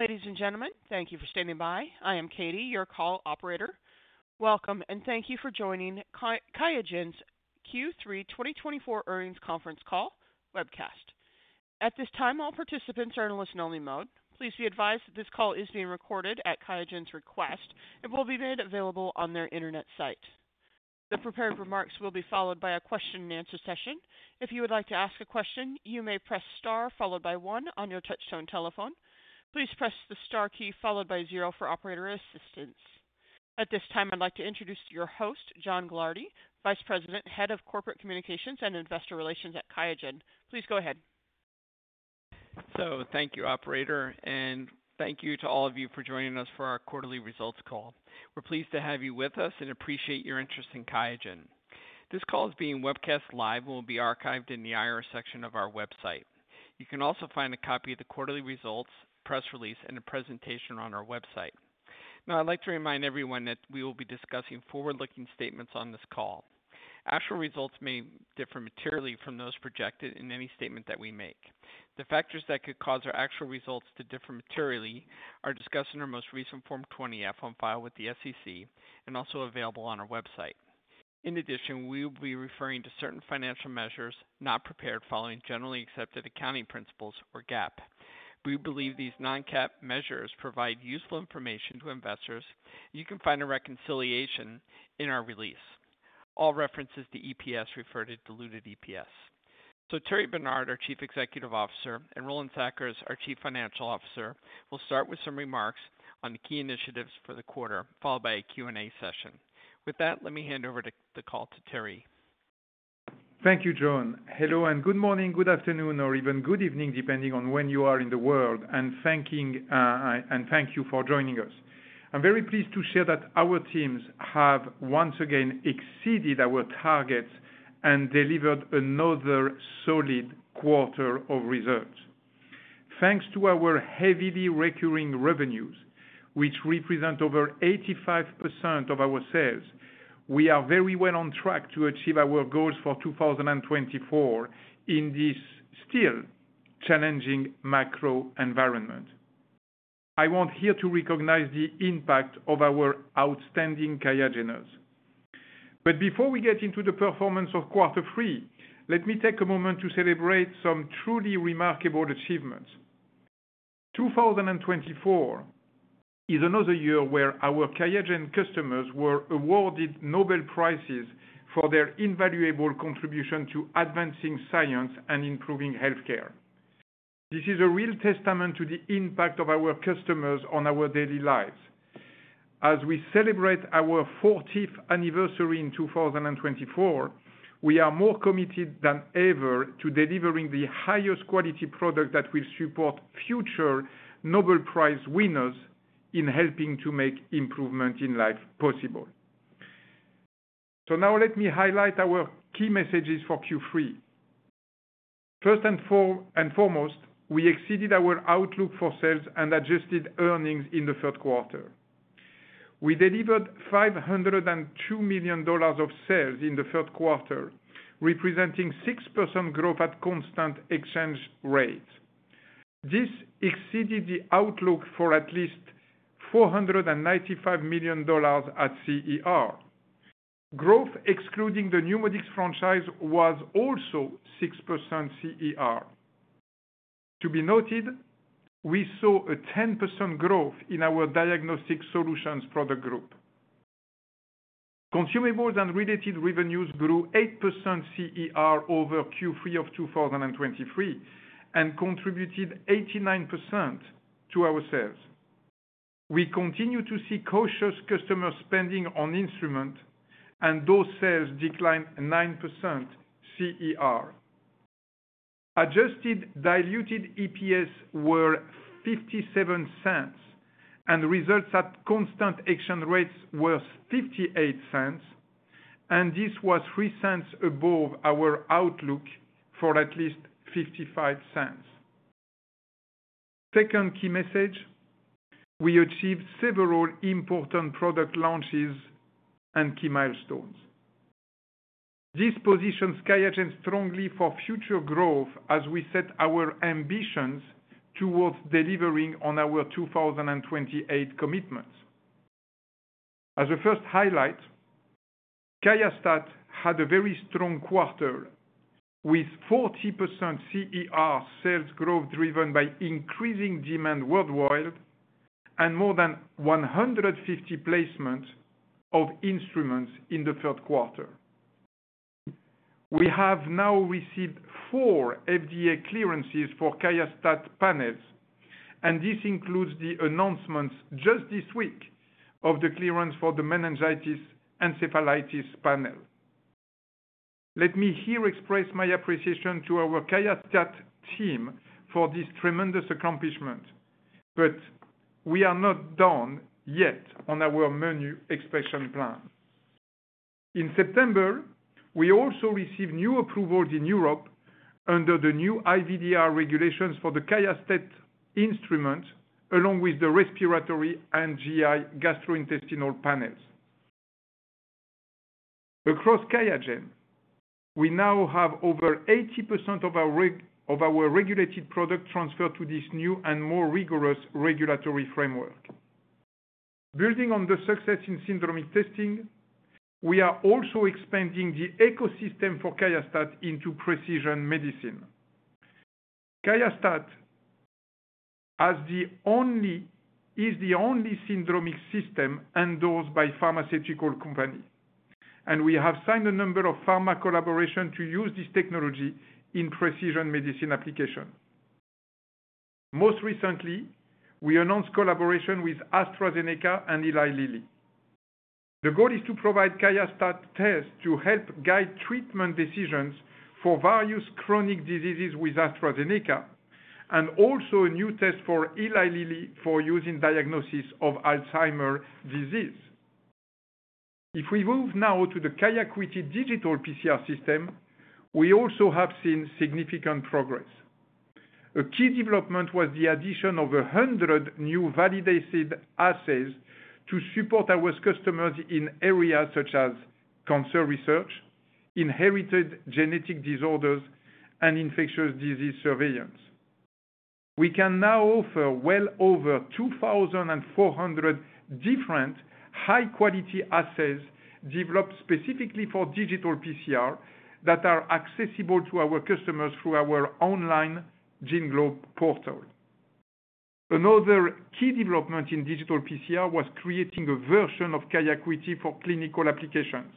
Ladies and gentlemen, thank you for standing by. I am Katie, your call operator. Welcome, and thank you for joining QIAGEN's Q3 2024 Earnings Conference Call Webcast. At this time, all participants are in listen-only mode. Please be advised that this call is being recorded at QIAGEN's request and will be made available on their internet site. The prepared remarks will be followed by a question-and-answer session. If you would like to ask a question, you may press star followed by one on your touch-tone telephone. Please press the star key followed by zero for operator assistance. At this time, I'd like to introduce your host, John Gilardi, Vice President, Head of Corporate Communications and Investor Relations at QIAGEN. Please go ahead. Thank you, Operator, and thank you to all of you for joining us for our quarterly results call. We're pleased to have you with us and appreciate your interest in QIAGEN. This call is being webcast live and will be archived in the IR section of our website. You can also find a copy of the quarterly results, press release, and a presentation on our website. Now, I'd like to remind everyone that we will be discussing forward-looking statements on this call. Actual results may differ materially from those projected in any statement that we make. The factors that could cause our actual results to differ materially are discussed in our most recent Form 20-F on file with the SEC and also available on our website. In addition, we will be referring to certain financial measures not prepared following generally accepted accounting principles or GAAP. We believe these non-GAAP measures provide useful information to investors. You can find a reconciliation in our release. All references to EPS refer to diluted EPS. So Thierry Bernard, our Chief Executive Officer, and Roland Sackers, our Chief Financial Officer, will start with some remarks on the key initiatives for the quarter, followed by a Q&A session. With that, let me hand over the call to Thierry. Thank you, John. Hello and good morning, good afternoon, or even good evening depending on when you are in the world, and thank you for joining us. I'm very pleased to share that our teams have once again exceeded our targets and delivered another solid quarter of results. Thanks to our heavily recurring revenues, which represent over 85% of our sales, we are very well on track to achieve our goals for 2024 in this still challenging macro environment. I want here to recognize the impact of our outstanding QIAGENers. But before we get into the performance of quarter 3, let me take a moment to celebrate some truly remarkable achievements. 2024 is another year where our QIAGEN customers were awarded Nobel Prizes for their invaluable contribution to advancing science and improving healthcare. This is a real testament to the impact of our customers on our daily lives. As we celebrate our 40th anniversary in 2024, we are more committed than ever to delivering the highest quality product that will support future Nobel Prize winners in helping to make improvement in life possible. So now let me highlight our key messages for Q3. First and foremost, we exceeded our outlook for sales and adjusted earnings in the third quarter. We delivered $502 million of sales in the third quarter, representing 6% growth at constant exchange rates. This exceeded the outlook for at least $495 million at CER. Growth excluding the NeuMoDx franchise was also 6% CER. To be noted, we saw a 10% growth in our diagnostic solutions product group. Consumables and related revenues grew 8% CER over Q3 of 2023 and contributed 89% to our sales. We continue to see cautious customer spending on instruments, and those sales declined 9% CER. Adjusted Diluted EPS was $0.57, and results at constant exchange rates were $0.58, and this was $0.03 above our outlook for at least $0.55. Second key message, we achieved several important product launches and key milestones. This positions QIAGEN strongly for future growth as we set our ambitions towards delivering on our 2028 commitments. As a first highlight, QIAstat had a very strong quarter with 40% CER sales growth driven by increasing demand worldwide and more than 150 placements of instruments in the third quarter. We have now received four FDA clearances for QIAstat panels, and this includes the announcements just this week of the clearance for the Meningitis Encephalitis Panel. Let me here express my appreciation to our QIAstat team for this tremendous accomplishment, but we are not done yet on our menu expansion plan. In September, we also received new approvals in Europe under the new IVDR regulations for the QIAstat instrument, along with the respiratory and GI gastrointestinal panels. Across QIAGEN, we now have over 80% of our regulated product transferred to this new and more rigorous regulatory framework. Building on the success in syndromic testing, we are also expanding the ecosystem for QIAstat into precision medicine. QIAstat is the only syndromic system endorsed by pharmaceutical companies, and we have signed a number of pharma collaborations to use this technology in precision medicine application. Most recently, we announced collaboration with AstraZeneca and Eli Lilly. The goal is to provide QIAstat tests to help guide treatment decisions for various chronic diseases with AstraZeneca and also a new test for Eli Lilly for using diagnosis of Alzheimer's disease. If we move now to the QIAcuity digital PCR system, we also have seen significant progress. A key development was the addition of 100 new validated assays to support our customers in areas such as cancer research, inherited genetic disorders, and infectious disease surveillance. We can now offer well over 2,400 different high-quality assays developed specifically for digital PCR that are accessible to our customers through our online GeneGlobe portal. Another key development in digital PCR was creating a version of QIAcuity for clinical applications.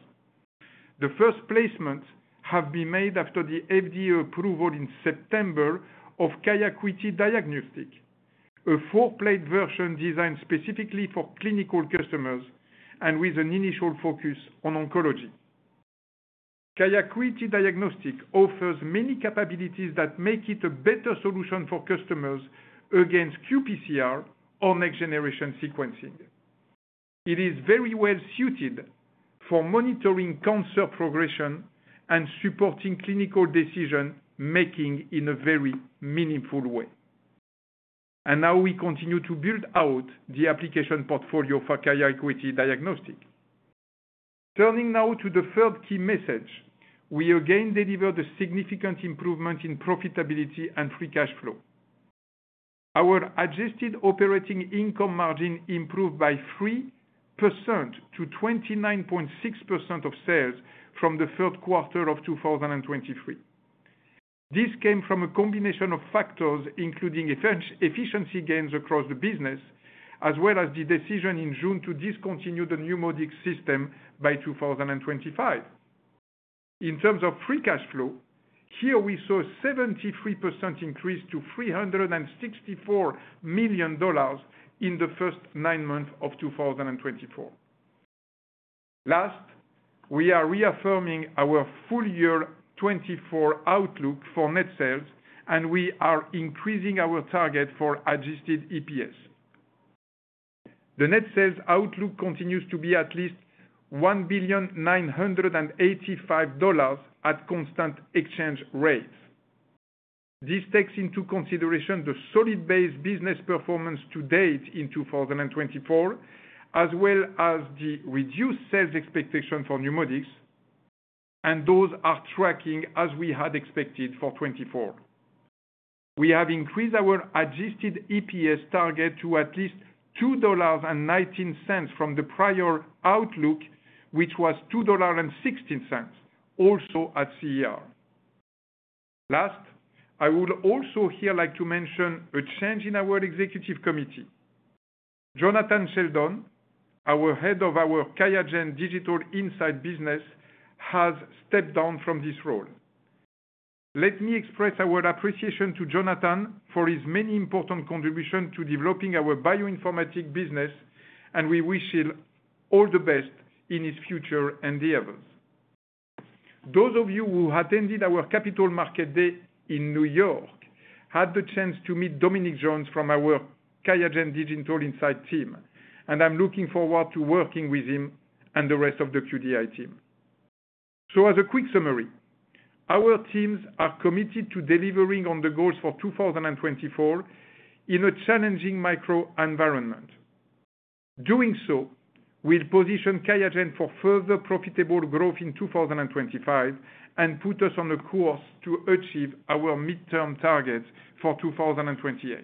The first placements have been made after the FDA approval in September of QIAcuity Diagnostic, a four-plate version designed specifically for clinical customers and with an initial focus on oncology. QIAcuity Diagnostic offers many capabilities that make it a better solution for customers against qPCR or next-generation sequencing. It is very well suited for monitoring cancer progression and supporting clinical decision-making in a very meaningful way, and now we continue to build out the application portfolio for QIAcuity Diagnostic. Turning now to the third key message, we again delivered a significant improvement in profitability and free cash flow. Our adjusted operating income margin improved by 3% to 29.6% of sales from the third quarter of 2023. This came from a combination of factors, including efficiency gains across the business, as well as the decision in June to discontinue the NeuMoDx system by 2025. In terms of free cash flow, here we saw a 73% increase to $364 million in the first nine months of 2024. Last, we are reaffirming our full-year 2024 outlook for net sales, and we are increasing our target for adjusted EPS. The net sales outlook continues to be at least $1,985 at constant exchange rates. This takes into consideration the solid base business performance to date in 2024, as well as the reduced sales expectation for NeuMoDx, and those are tracking as we had expected for 2024. We have increased our adjusted EPS target to at least $2.19 from the prior outlook, which was $2.16, also at CER. Last, I would also here like to mention a change in our executive committee. Jonathan Sheldon, our head of our QIAGEN Digital Insights business, has stepped down from this role. Let me express our appreciation to Jonathan for his many important contributions to developing our bioinformatics business, and we wish him all the best in his future and the others. Those of you who attended our Capital Markets Day in New York had the chance to meet Dominic Jones from our QIAGEN Digital Insights team, and I'm looking forward to working with him and the rest of the QDI team, so as a quick summary, our teams are committed to delivering on the goals for 2024 in a challenging macro environment. Doing so will position QIAGEN for further profitable growth in 2025 and put us on a course to achieve our midterm targets for 2028.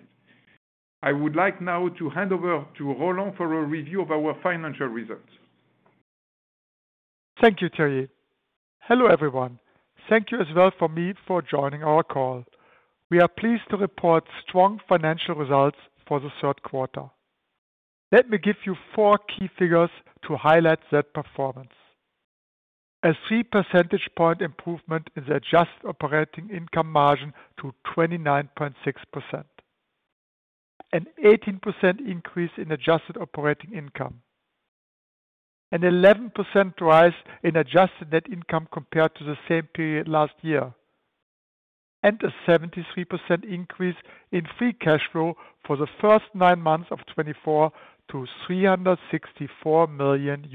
I would like now to hand over to Roland for a review of our financial results. Thank you, Thierry. Hello everyone. Thank you as well for joining our call. We are pleased to report strong financial results for the third quarter. Let me give you four key figures to highlight that performance: a three percentage point improvement in the adjusted operating income margin to 29.6%, an 18% increase in adjusted operating income, an 11% rise in adjusted net income compared to the same period last year, and a 73% increase in free cash flow for the first nine months of 2024 to $364 million.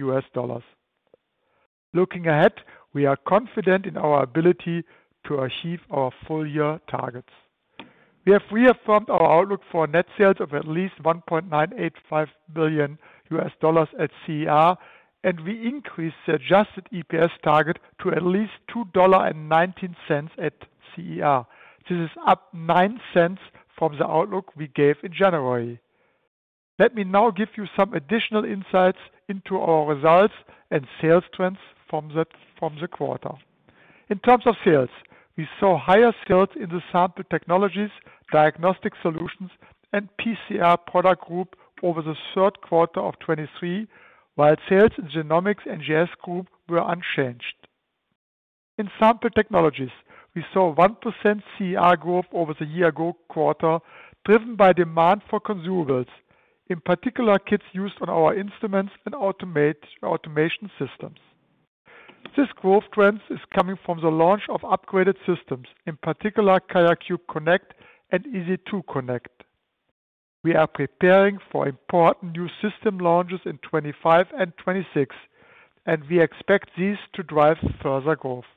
Looking ahead, we are confident in our ability to achieve our full-year targets. We have reaffirmed our outlook for net sales of at least $1.985 million at CER, and we increased the adjusted EPS target to at least $2.19 at CER. This is up nine cents from the outlook we gave in January. Let me now give you some additional insights into our results and sales trends from the quarter. In terms of sales, we saw higher sales in the sample technologies, diagnostic solutions, and PCR product group over the third quarter of 2023, while sales in genomics NGS group were unchanged. In sample technologies, we saw a 1% CER growth over the year-ago quarter, driven by demand for consumables, in particular kits used on our instruments and automation systems. This growth trend is coming from the launch of upgraded systems, in particular QIAcube Connect and EZ2 Connect. We are preparing for important new system launches in 2025 and 2026, and we expect these to drive further growth.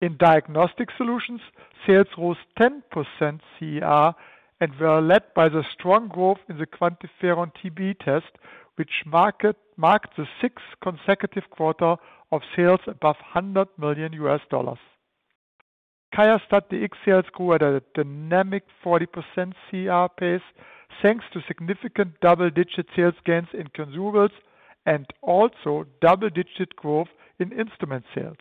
In diagnostic solutions, sales rose 10% CER and were led by the strong growth in the QuantiFERON-TB test, which marked the sixth consecutive quarter of sales above $100 million. QIAstat-Dx sales grew at a dynamic 40% CER pace, thanks to significant double-digit sales gains in consumables and also double-digit growth in instrument sales.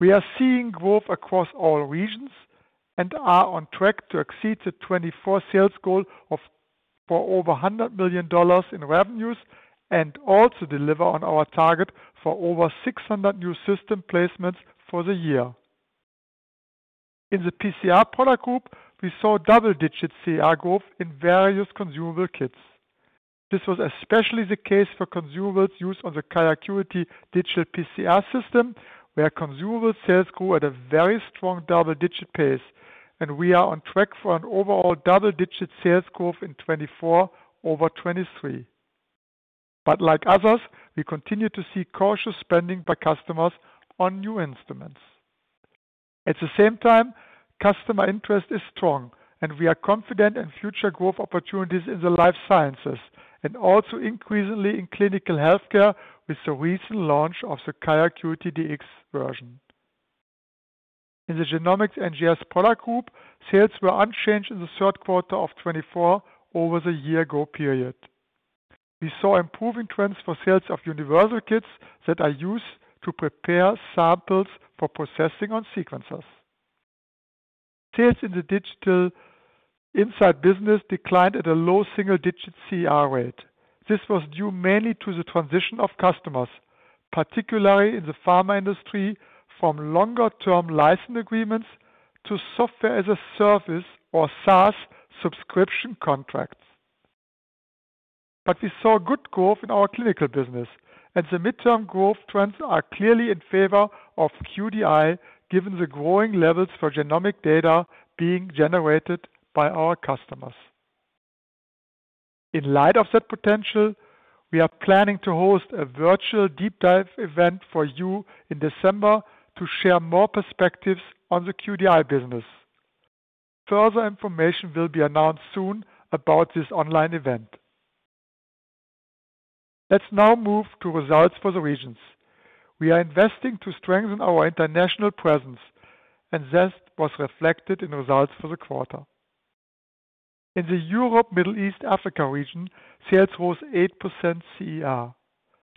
We are seeing growth across all regions and are on track to exceed the 2024 sales goal of over $100 million in revenues and also deliver on our target for over 600 new system placements for the year. In the PCR product group, we saw double-digit CER growth in various consumable kits. This was especially the case for consumables used on the QIAcuity digital PCR system, where consumable sales grew at a very strong double-digit pace, and we are on track for an overall double-digit sales growth in 2024 over 2023. But like others, we continue to see cautious spending by customers on new instruments. At the same time, customer interest is strong, and we are confident in future growth opportunities in the life sciences and also increasingly in clinical healthcare with the recent launch of the QIAcuity Dx version. In the genomics NGS product group, sales were unchanged in the third quarter of 2024 over the year-ago period. We saw improving trends for sales of universal kits that are used to prepare samples for processing on sequencers. Sales in the Digital Insights business declined at a low single-digit CER rate. This was due mainly to the transition of customers, particularly in the pharma industry, from longer-term license agreements to software-as-a-service or SaaS subscription contracts. But we saw good growth in our clinical business, and the midterm growth trends are clearly in favor of QDI given the growing levels for genomic data being generated by our customers. In light of that potential, we are planning to host a virtual deep dive event for you in December to share more perspectives on the QDI business. Further information will be announced soon about this online event. Let's now move to results for the regions. We are investing to strengthen our international presence, and that was reflected in results for the quarter. In the Europe, Middle East, and Africa region, sales rose 8% CER.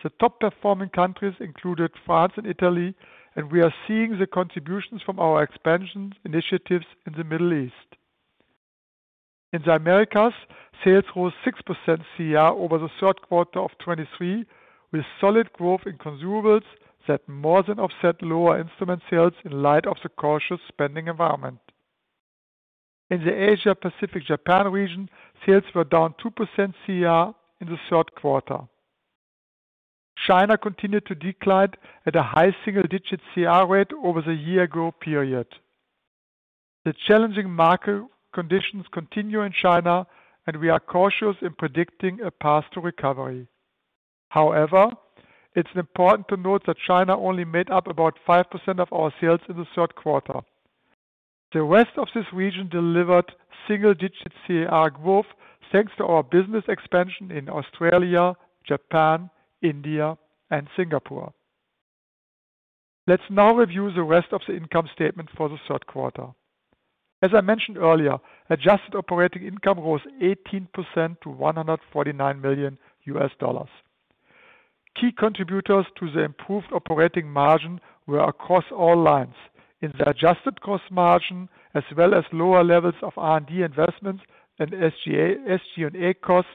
The top-performing countries included France and Italy, and we are seeing the contributions from our expansion initiatives in the Middle East. In the Americas, sales rose 6% CER over the third quarter of 2023, with solid growth in consumables that more than offset lower instrument sales in light of the cautious spending environment. In the Asia-Pacific-Japan region, sales were down 2% CER in the third quarter. China continued to decline at a high single-digit CER rate over the year-ago period. The challenging market conditions continue in China, and we are cautious in predicting a path to recovery. However, it's important to note that China only made up about 5% of our sales in the third quarter. The rest of this region delivered single-digit CER growth thanks to our business expansion in Australia, Japan, India, and Singapore. Let's now review the rest of the income statement for the third quarter. As I mentioned earlier, adjusted operating income rose 18% to $149 million. Key contributors to the improved operating margin were across all lines, in the adjusted cost margin as well as lower levels of R&D investments and SG&A costs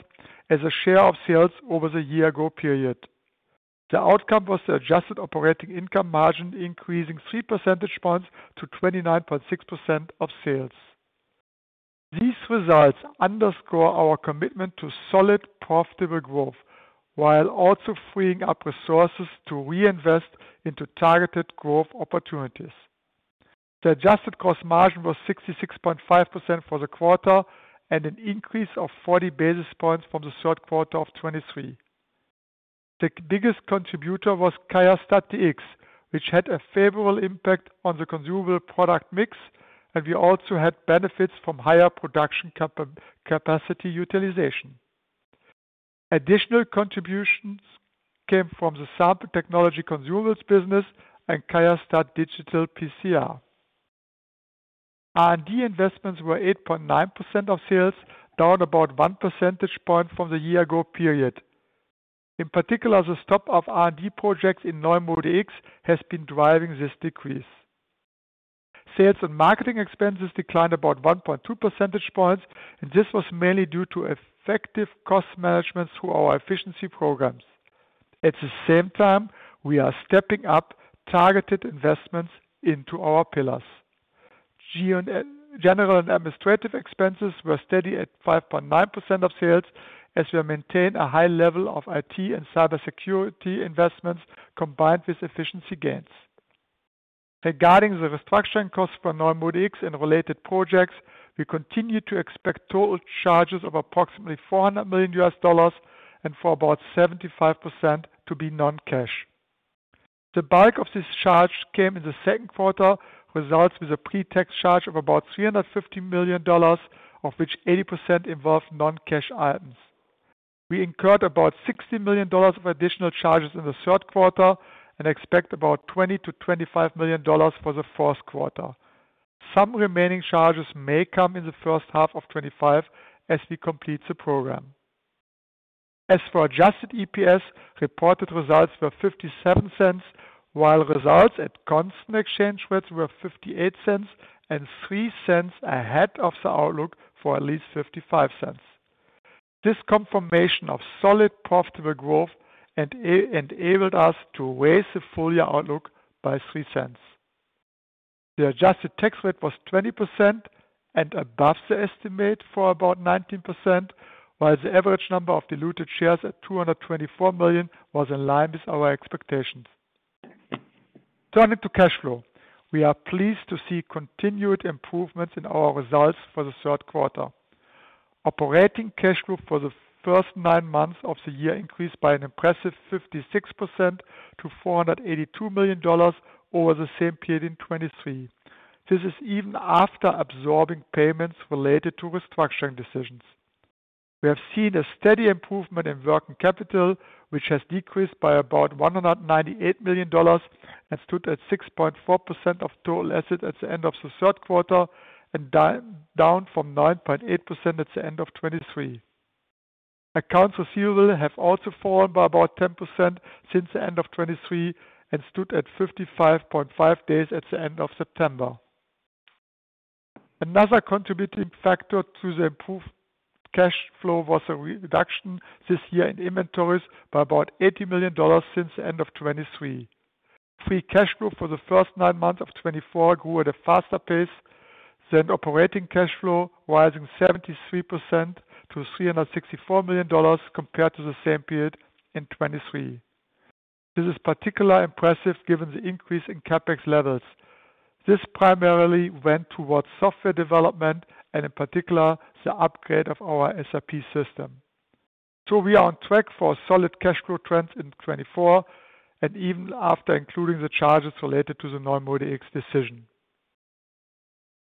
as a share of sales over the year-ago period. The outcome was the adjusted operating income margin increasing 3 percentage points to 29.6% of sales. These results underscore our commitment to solid, profitable growth while also freeing up resources to reinvest into targeted growth opportunities. The adjusted gross margin was 66.5% for the quarter and an increase of 40 basis points from the third quarter of 2023. The biggest contributor was QIAstat-Dx, which had a favorable impact on the consumable product mix, and we also had benefits from higher production capacity utilization. Additional contributions came from the sample technology consumables business and QIAcuity digital PCR. R&D investments were 8.9% of sales, down about 1 percentage point from the year-ago period. In particular, the stop of R&D projects in NeuMoDx has been driving this decrease. Sales and marketing expenses declined about 1.2 percentage points, and this was mainly due to effective cost management through our efficiency programs. At the same time, we are stepping up targeted investments into our pillars. General and administrative expenses were steady at 5.9% of sales as we maintain a high level of IT and cybersecurity investments combined with efficiency gains. Regarding the restructuring costs for NeuMoDx and related projects, we continue to expect total charges of approximately $400 million and for about 75% to be non-cash. The bulk of this charge came in the second quarter, resulting in a pre-tax charge of about $350 million, of which 80% involved non-cash items. We incurred about $60 million of additional charges in the third quarter and expect about $20-$25 million for the fourth quarter. Some remaining charges may come in the first half of 2025 as we complete the program. As for adjusted EPS, reported results were $0.57, while results at constant exchange rates were $0.58 and $0.03 ahead of the outlook for at least $0.55. This confirmation of solid, profitable growth enabled us to raise the full-year outlook by $0.03. The adjusted tax rate was 20% and above the estimate for about 19%, while the average number of diluted shares at $224 million was in line with our expectations. Turning to cash flow, we are pleased to see continued improvements in our results for the third quarter. Operating cash flow for the first nine months of the year increased by an impressive 56% to $482 million over the same period in 2023. This is even after absorbing payments related to restructuring decisions. We have seen a steady improvement in working capital, which has decreased by about $198 million and stood at 6.4% of total assets at the end of the third quarter, and down from 9.8% at the end of 2023. Accounts receivable have also fallen by about 10% since the end of 2023 and stood at 55.5 days at the end of September. Another contributing factor to the improved cash flow was a reduction this year in inventories by about $80 million since the end of 2023. Free cash flow for the first nine months of 2024 grew at a faster pace than operating cash flow, rising 73% to $364 million compared to the same period in 2023. This is particularly impressive given the increase in CapEx levels. This primarily went towards software development and, in particular, the upgrade of our SAP system, so we are on track for solid cash flow trends in 2024, and even after including the charges related to the NeuMoDx decision.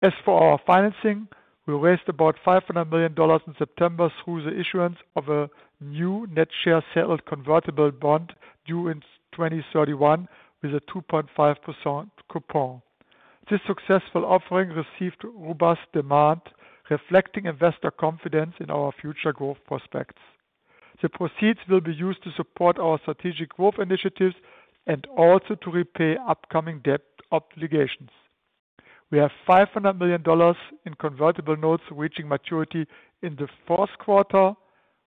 As for our financing, we raised about $500 million in September through the issuance of a new net share settled convertible bond due in 2031 with a 2.5% coupon. This successful offering received robust demand, reflecting investor confidence in our future growth prospects. The proceeds will be used to support our strategic growth initiatives and also to repay upcoming debt obligations. We have $500 million in convertible notes reaching maturity in the fourth quarter.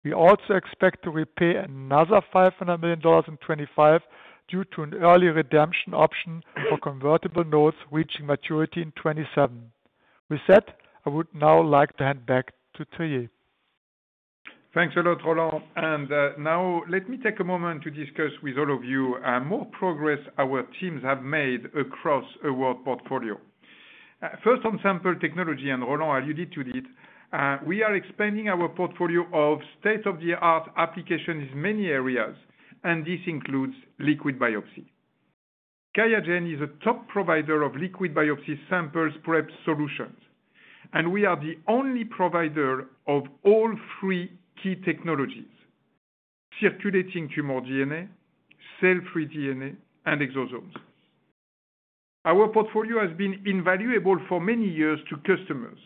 We also expect to repay another $500 million in 2025 due to an early redemption option for convertible notes reaching maturity in 2027. With that, I would now like to hand back to Thierry. Thanks, Roland. And now, let me take a moment to discuss with all of you more progress our teams have made across our portfolio. First, on sample technology, and Roland, as you did too, we are expanding our portfolio of state-of-the-art applications in many areas, and this includes liquid biopsy. QIAGEN is a top provider of liquid biopsy sample prep solutions, and we are the only provider of all three key technologies: circulating tumor DNA, cell-free DNA, and exosomes. Our portfolio has been invaluable for many years to customers,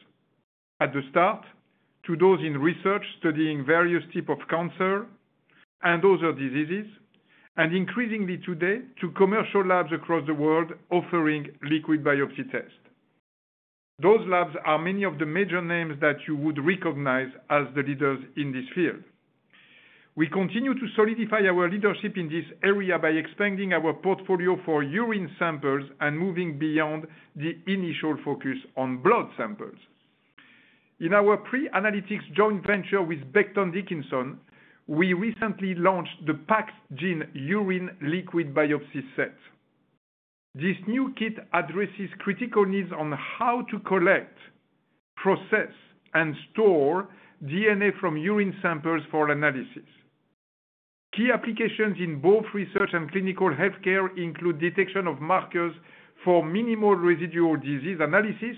at the start to those in research studying various types of cancer and other diseases, and increasingly today to commercial labs across the world offering liquid biopsy tests. Those labs are many of the major names that you would recognize as the leaders in this field. We continue to solidify our leadership in this area by expanding our portfolio for urine samples and moving beyond the initial focus on blood samples. In our pre-analytics joint venture with Becton Dickinson, we recently launched the PAXgene Urine Liquid Biopsy Set. This new kit addresses critical needs on how to collect, process, and store DNA from urine samples for analysis. Key applications in both research and clinical healthcare include detection of markers for minimal residual disease analysis,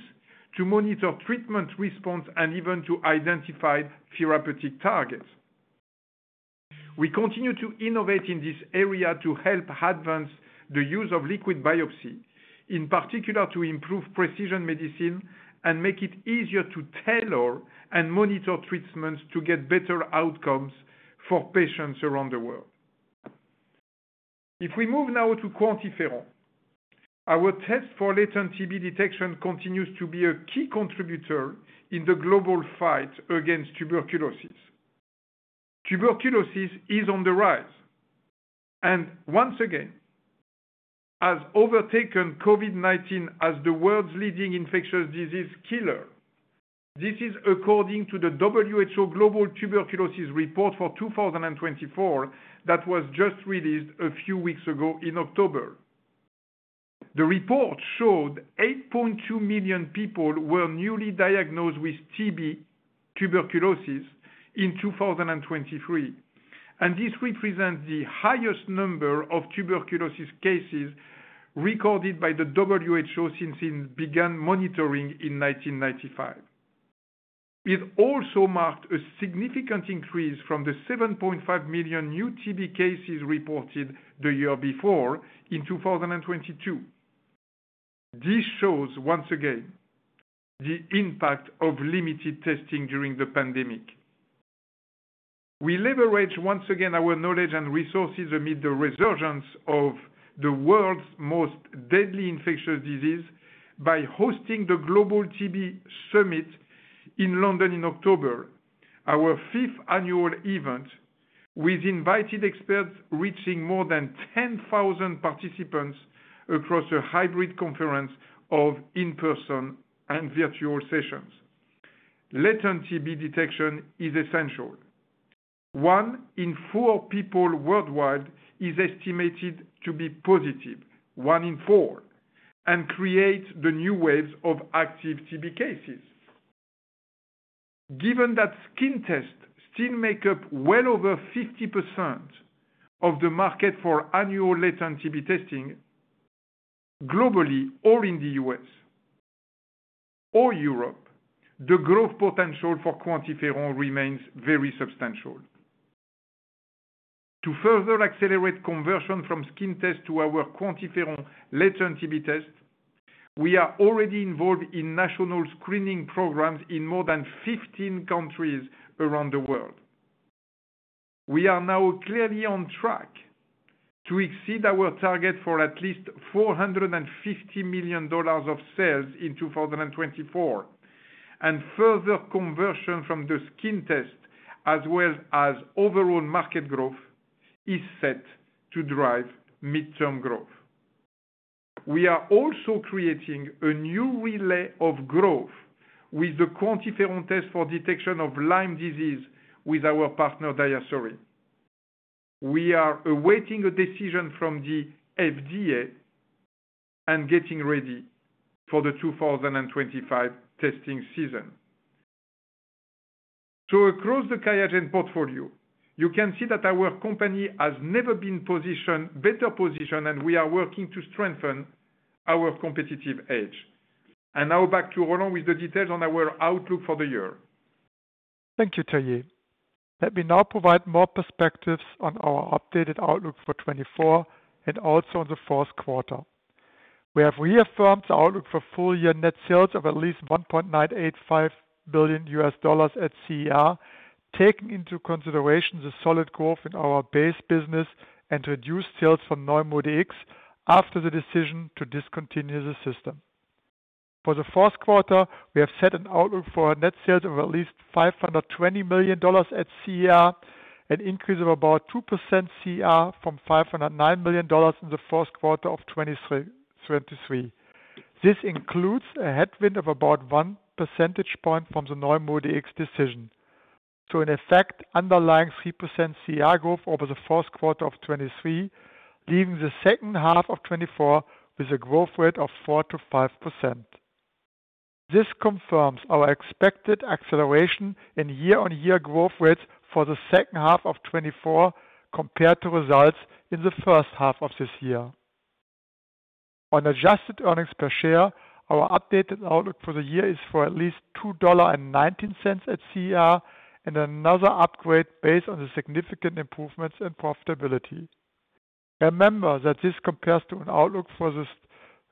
to monitor treatment response, and even to identify therapeutic targets. We continue to innovate in this area to help advance the use of liquid biopsy, in particular to improve precision medicine and make it easier to tailor and monitor treatments to get better outcomes for patients around the world. If we move now to QuantiFERON, our test for latent TB detection continues to be a key contributor in the global fight against tuberculosis. Tuberculosis is on the rise. Once again, TB has overtaken COVID-19 as the world's leading infectious disease killer. This is according to the WHO Global Tuberculosis Report for 2024 that was just released a few weeks ago in October. The report showed 8.2 million people were newly diagnosed with TB (tuberculosis) in 2023, and this represents the highest number of tuberculosis cases recorded by the WHO since it began monitoring in 1995. It also marked a significant increase from the 7.5 million new TB cases reported the year before in 2022. This shows, once again, the impact of limited testing during the pandemic. We leverage, once again, our knowledge and resources amid the resurgence of the world's most deadly infectious disease by hosting the Global TB Summit in London in October, our fifth annual event with invited experts reaching more than 10,000 participants across a hybrid conference of in-person and virtual sessions. Latent TB detection is essential. One in four people worldwide is estimated to be positive, one in four, and creates the new waves of active TB cases. Given that skin tests still make up well over 50% of the market for annual latent TB testing globally or in the U.S. or Europe, the growth potential for QuantiFERON remains very substantial. To further accelerate conversion from skin tests to our QuantiFERON latent TB tests, we are already involved in national screening programs in more than 15 countries around the world. We are now clearly on track to exceed our target for at least $450 million of sales in 2024, and further conversion from the skin tests, as well as overall market growth, is set to drive midterm growth. We are also creating a new relay of growth with the QuantiFERON test for detection of Lyme disease with our partner DiaSorin. We are awaiting a decision from the FDA and getting ready for the 2025 testing season. Across the QIAGEN portfolio, you can see that our company has never been better positioned, and we are working to strengthen our competitive edge. Now back to Roland with the details on our outlook for the year. Thank you, Thierry. Let me now provide more perspectives on our updated outlook for 2024 and also on the fourth quarter. We have reaffirmed the outlook for full-year net sales of at least $1.985 billion at CER, taking into consideration the solid growth in our base business and reduced sales from NeuMoDx after the decision to discontinue the system. For the fourth quarter, we have set an outlook for net sales of at least $520 million at CER, an increase of about 2% CER from $509 million in the fourth quarter of 2023. This includes a headwind of about one percentage point from the NeuMoDx decision. So in effect, underlying 3% CER growth over the fourth quarter of 2023, leaving the second half of 2024 with a growth rate of 4% to 5%. This confirms our expected acceleration in year-on-year growth rates for the second half of 2024 compared to results in the first half of this year. On adjusted earnings per share, our updated outlook for the year is for at least $2.19 at CER and another upgrade based on the significant improvements in profitability. Remember that this compares to an outlook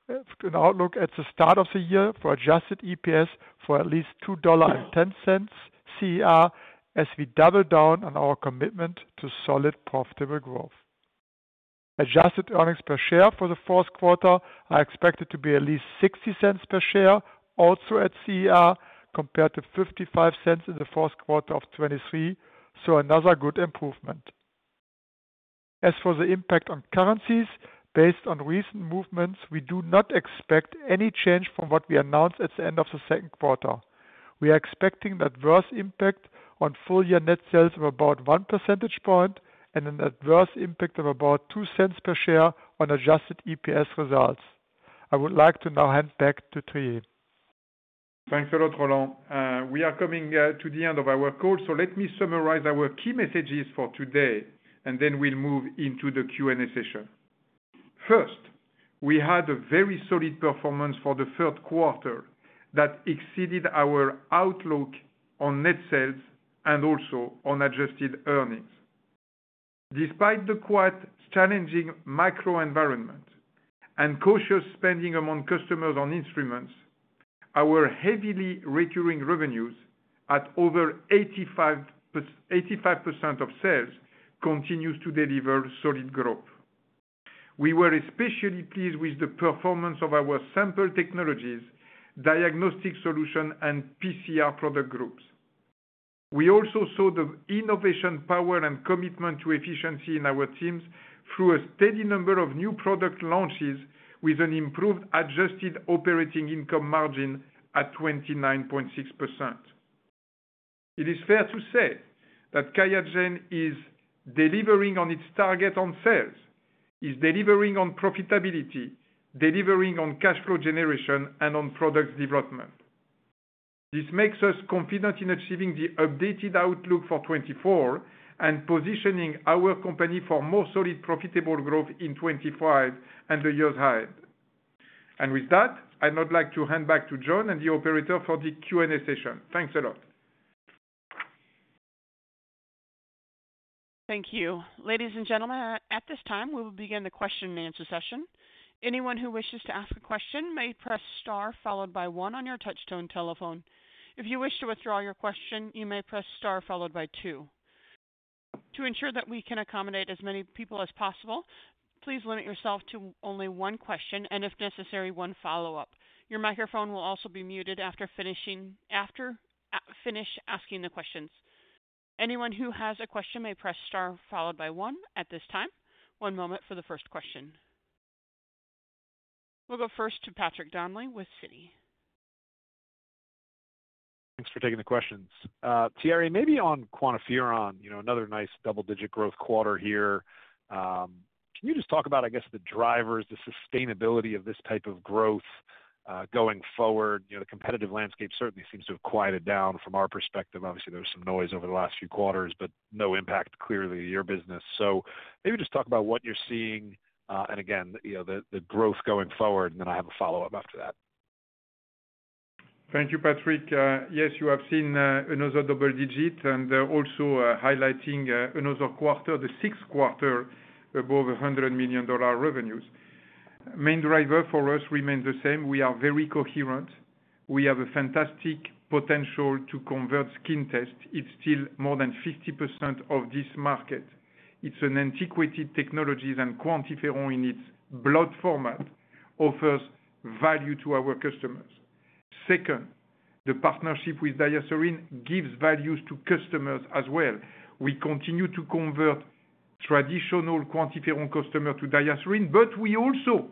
at the start of the year for adjusted EPS for at least $2.10 CER as we double down on our commitment to solid profitable growth. Adjusted earnings per share for the fourth quarter are expected to be at least $0.60 per share also at CER compared to $0.55 in the fourth quarter of 2023, so another good improvement. As for the impact on currencies, based on recent movements, we do not expect any change from what we announced at the end of the second quarter. We are expecting an adverse impact on full-year net sales of about one percentage point and an adverse impact of about $0.02 per share on adjusted EPS results. I would like to now hand back to Thierry. Thank you, Roland. We are coming to the end of our call, so let me summarize our key messages for today, and then we'll move into the Q&A session. First, we had a very solid performance for the third quarter that exceeded our outlook on net sales and also on adjusted earnings. Despite the quite challenging macro environment and cautious spending among customers on instruments, our heavily recurring revenues at over 85% of sales continue to deliver solid growth. We were especially pleased with the performance of our sample technologies, diagnostic solution, and PCR product groups. We also saw the innovation power and commitment to efficiency in our teams through a steady number of new product launches with an improved adjusted operating income margin at 29.6%. It is fair to say that QIAGEN is delivering on its target on sales, is delivering on profitability, delivering on cash flow generation, and on product development. This makes us confident in achieving the updated outlook for 2024 and positioning our company for more solid profitable growth in 2025 and the years ahead. And with that, I'd now like to hand back to John and the operator for the Q&A session. Thanks a lot. Thank you. Ladies and gentlemen, at this time, we will begin the question and answer session. Anyone who wishes to ask a question may press star followed by one on your touch-tone telephone. If you wish to withdraw your question, you may press star followed by two. To ensure that we can accommodate as many people as possible, please limit yourself to only one question and, if necessary, one follow-up. Your microphone will also be muted after finishing asking the questions. Anyone who has a question may press star followed by one at this time. One moment for the first question. We'll go first to Patrick Donnelly with Citi. Thanks for taking the questions. Thierry, maybe on QuantiFERON, another nice double-digit growth quarter here. Can you just talk about, I guess, the drivers, the sustainability of this type of growth going forward? The competitive landscape certainly seems to have quieted down from our perspective. Obviously, there was some noise over the last few quarters, but no impact clearly to your business. So maybe just talk about what you're seeing and, again, the growth going forward, and then I have a follow-up after that. Thank you, Patrick. Yes, you have seen another double digit and also highlighting another quarter, the sixth quarter, above $100 million revenues. Main driver for us remains the same. We are very coherent. We have a fantastic potential to convert skin tests. It's still more than 50% of this market. It's an antiquated technology, and QuantiFERON, in its blood format, offers value to our customers. Second, the partnership with DiaSorin gives value to customers as well. We continue to convert traditional QuantiFERON customers to DiaSorin, but we also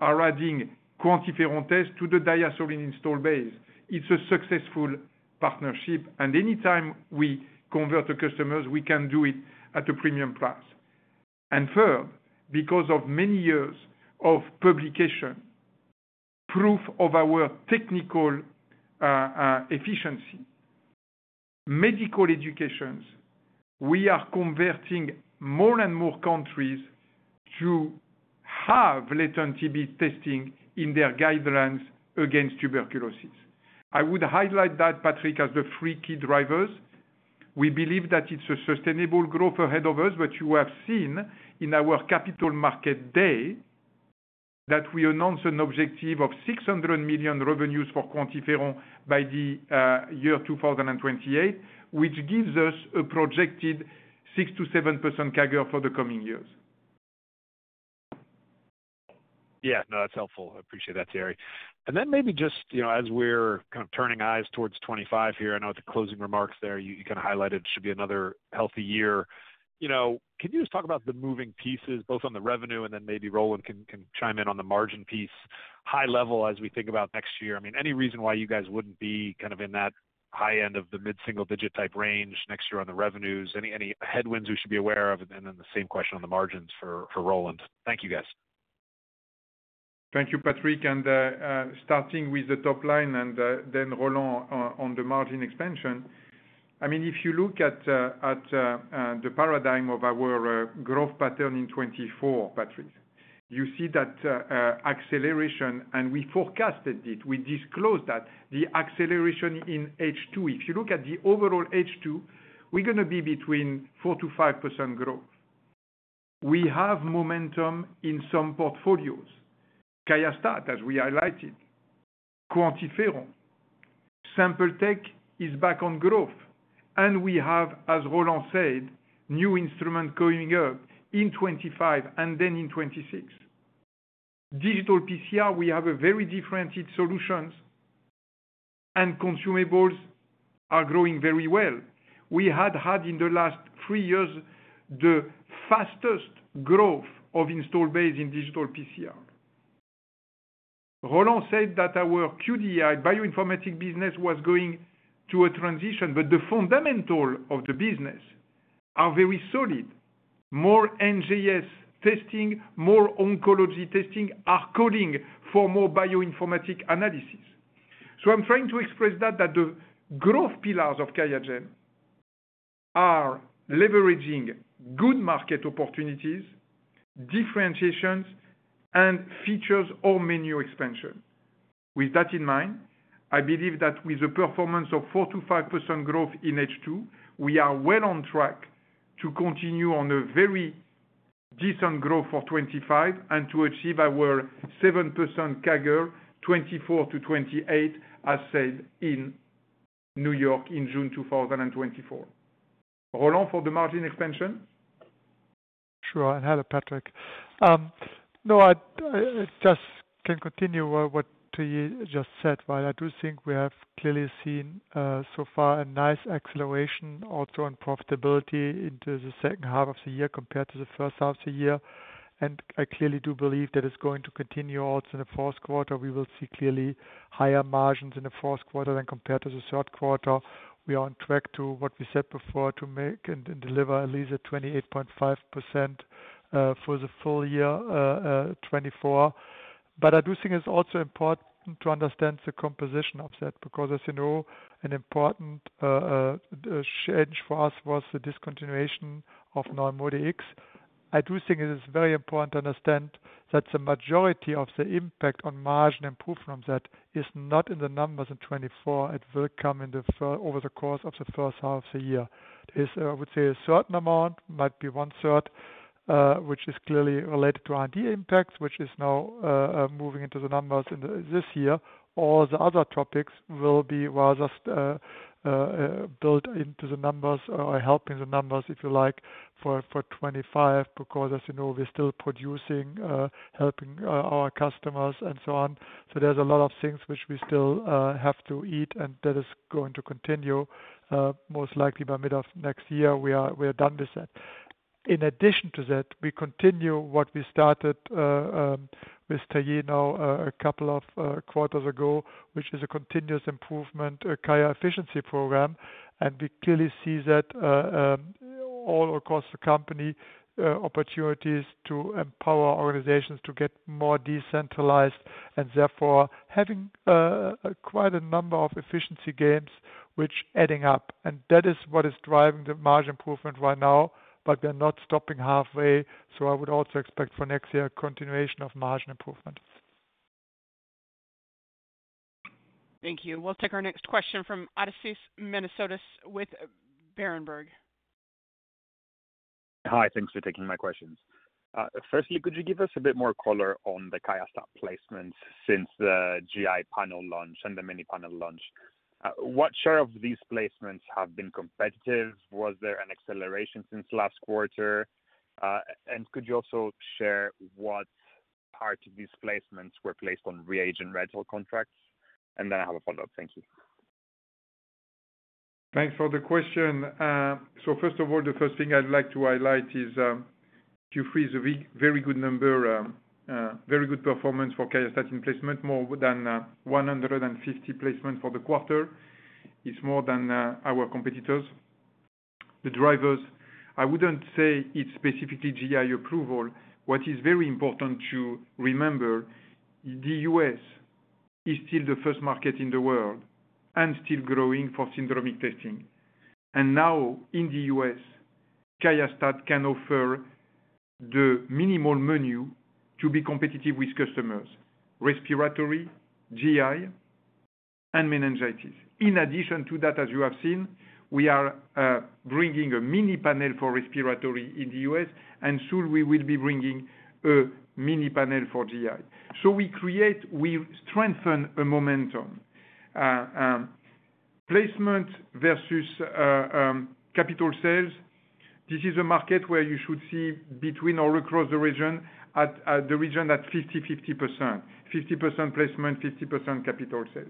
are adding QuantiFERON tests to the DiaSorin install base. It's a successful partnership, and anytime we convert the customers, we can do it at a premium price. And third, because of many years of publication, proof of our technical efficiency, medical educations, we are converting more and more countries to have latent TB testing in their guidelines against tuberculosis. I would highlight that, Patrick, as the three key drivers. We believe that it's a sustainable growth ahead of us, but you have seen in our capital market day that we announced an objective of $600 million revenues for QuantiFERON by the year 2028, which gives us a projected 6% to 7% CAGR for the coming years. Yeah, no, that's helpful. I appreciate that, Thierry. And then maybe just as we're kind of turning eyes towards 2025 here, I know at the closing remarks there, you kind of highlighted it should be another healthy year. Can you just talk about the moving pieces, both on the revenue and then maybe Roland can chime in on the margin piece, high level as we think about next year? I mean, any reason why you guys wouldn't be kind of in that high end of the mid-single-digit type range next year on the revenues? Any headwinds we should be aware of? And then the same question on the margins for Roland. Thank you, guys. Thank you, Patrick. And starting with the top line and then Roland on the margin expansion, I mean, if you look at the paradigm of our growth pattern in 2024, Patrick, you see that acceleration, and we forecasted it. We disclosed that the acceleration in H2, if you look at the overall H2, we're going to be between 4% to 5% growth. We have momentum in some portfolios: QIAstat, as we highlighted, QuantiFERON, SampleTech is back on growth, and we have, as Roland said, new instruments going up in 2025 and then in 2026. Digital PCR, we have very differentiated solutions, and consumables are growing very well. We had had in the last three years the fastest growth of install base in digital PCR. Roland said that our QDI, bioinformatics business, was going to a transition, but the fundamentals of the business are very solid. More NGS testing, more oncology testing are calling for more bioinformatic analysis, so I'm trying to express that the growth pillars of QIAGEN are leveraging good market opportunities, differentiations, and features or menu expansion. With that in mind, I believe that with a performance of 4%-5% growth in H2, we are well on track to continue on a very decent growth for 2025 and to achieve our 7% CAGR 2024-2028, as said in New York in June 2024. Roland, for the margin expansion? Sure. Hi, Patrick. No, I just can continue what Thierry just said. I do think we have clearly seen so far a nice acceleration also in profitability into the second half of the year compared to the first half of the year. And I clearly do believe that it's going to continue also in the fourth quarter. We will see clearly higher margins in the fourth quarter than compared to the third quarter. We are on track to what we said before to make and deliver at least a 28.5% for the full year 2024. But I do think it's also important to understand the composition of that because, as you know, an important change for us was the discontinuation of NeuMoDx. I do think it is very important to understand that the majority of the impact on margin improvement from that is not in the numbers in 2024. It will come over the course of the first half of the year. There is, I would say, a certain amount, might be one-third, which is clearly related to R&D impacts, which is now moving into the numbers this year. All the other topics will be rather built into the numbers or helping the numbers, if you like, for 2025 because, as you know, we're still producing, helping our customers and so on. So there's a lot of things which we still have to eat, and that is going to continue most likely by mid of next year. We are done with that. In addition to that, we continue what we started with Thierry now a couple of quarters ago, which is a continuous improvement QIAGEN efficiency program. And we clearly see that all across the company opportunities to empower organizations to get more decentralized and therefore having quite a number of efficiency gains which are adding up. And that is what is driving the margin improvement right now, but they're not stopping halfway. So I would also expect for next year a continuation of margin improvement. Thank you. We'll take our next question from Odysseas Manesiotis with Berenberg. Hi, thanks for taking my questions. Firstly, could you give us a bit more color on the QIAstat placements since the GI panel launch and the mini panel launch? What share of these placements have been competitive? Was there an acceleration since last quarter? And could you also share what part of these placements were placed on reagent rental contracts? And then I have a follow-up. Thank you. Thanks for the question. So first of all, the first thing I'd like to highlight is Q3 is a very good number, very good performance for QIAstat in placement, more than 150 placements for the quarter. It's more than our competitors. The drivers, I wouldn't say it's specifically GI approval. What is very important to remember, the U.S. is still the first market in the world and still growing for syndromic testing. Now in the U.S., QIAstat can offer the minimal menu to be competitive with customers: respiratory, GI, and meningitis. In addition to that, as you have seen, we are bringing a mini panel for respiratory in the U.S., and soon we will be bringing a mini panel for GI. We create, we strengthen a momentum. Placement versus capital sales, this is a market where you should see between or across the region at 50-50%, 50% placement, 50% capital sales.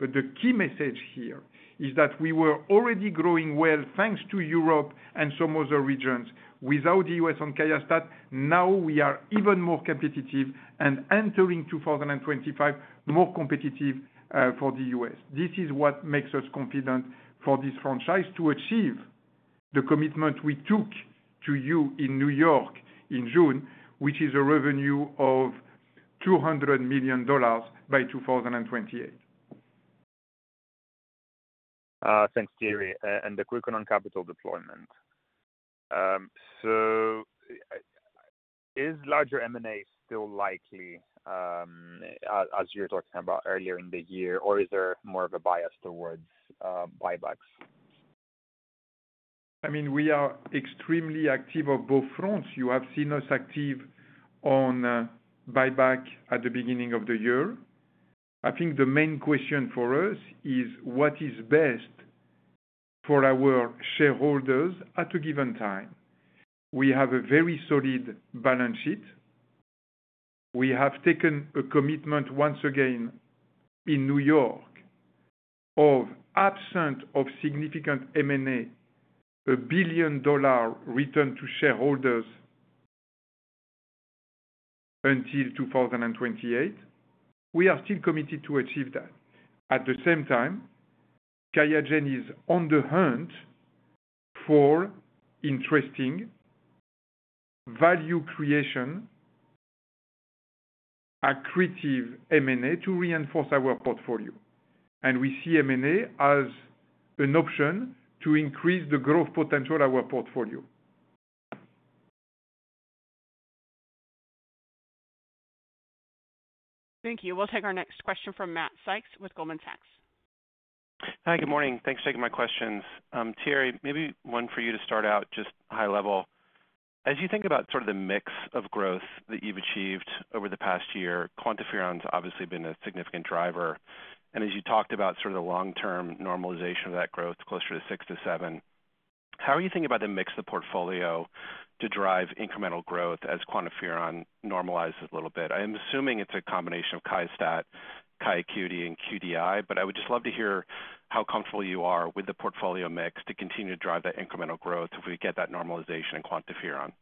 The key message here is that we were already growing well thanks to Europe and some other regions. Without the U.S. on QIAstat, now we are even more competitive and entering 2025, more competitive for the U.S.. This is what makes us confident for this franchise to achieve the commitment we took to you in New York in June, which is a revenue of $200 million by 2028. Thanks, Thierry. And a quick on capital deployment. So is larger M&A still likely, as you were talking about earlier in the year, or is there more of a bias towards buybacks? I mean, we are extremely active on both fronts. You have seen us active on buyback at the beginning of the year. I think the main question for us is what is best for our shareholders at a given time. We have a very solid balance sheet. We have taken a commitment once again in New York of in the absence of significant M&A, a $1 billion return to shareholders until 2028. We are still committed to achieve that. At the same time, QIAGEN is on the hunt for interesting value creation, accretive M&A to reinforce our portfolio. And we see M&A as an option to increase the growth potential of our portfolio. Thank you. We'll take our next question from Matt Sykes with Goldman Sachs. Hi, good morning. Thanks for taking my questions. Thierry, maybe one for you to start out just high level. As you think about sort of the mix of growth that you've achieved over the past year, QuantiFERON has obviously been a significant driver. And as you talked about sort of the long-term normalization of that growth closer to six to seven, how are you thinking about the mix of the portfolio to drive incremental growth as QuantiFERON normalizes a little bit? I'm assuming it's a combination of QIAstat, QIAcuity, and QDI, but I would just love to hear how comfortable you are with the portfolio mix to continue to drive that incremental growth if we get that normalization in QuantiFERON.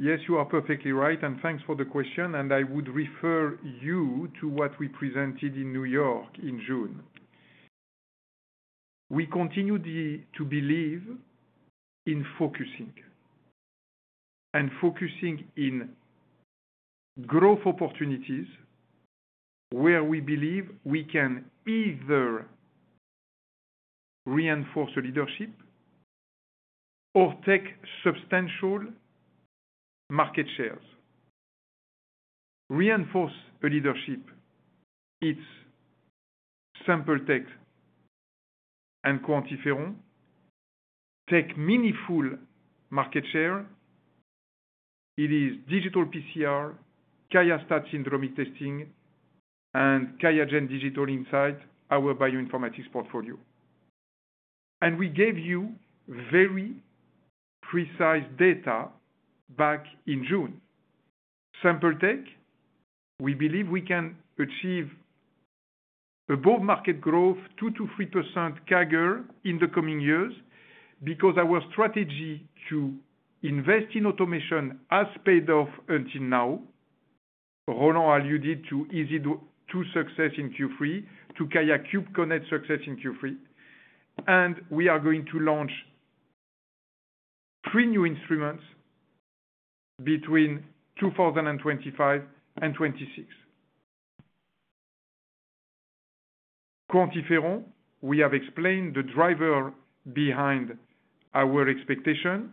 Yes, you are perfectly right, and thanks for the question. I would refer you to what we presented in New York in June. We continue to believe in focusing and focusing in growth opportunities where we believe we can either reinforce the leadership or take substantial market shares. Reinforce the leadership, it's SampleTech and QuantiFERON. Take meaningful market share. It is digital PCR, QIAstat syndromic testing, and QIAGEN Digital Insights, our bioinformatics portfolio. We gave you very precise data back in June. SampleTech, we believe we can achieve above market growth, 2%-3% CAGR in the coming years because our strategy to invest in automation has paid off until now. Roland alluded to EZ2 success in Q3, to QIAcube Connect success in Q3. We are going to launch three new instruments between 2025 and 2026. QuantiFERON, we have explained the driver behind our expectation,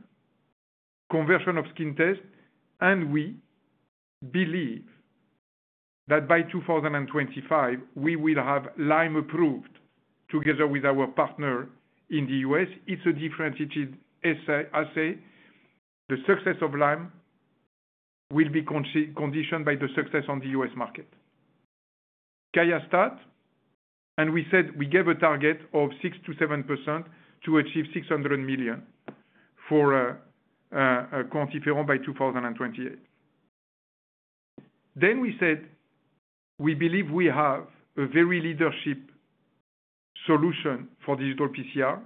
conversion of skin tests, and we believe that by 2025, we will have Lyme approved together with our partner in the U.S. It's a differentiated assay. The success of Lyme will be conditioned by the success on the U.S. market. QIAstat, and we said we gave a target of 6%-7% to achieve $600 million for QuantiFERON by 2028. Then we said we believe we have a very leadership solution for digital PCR,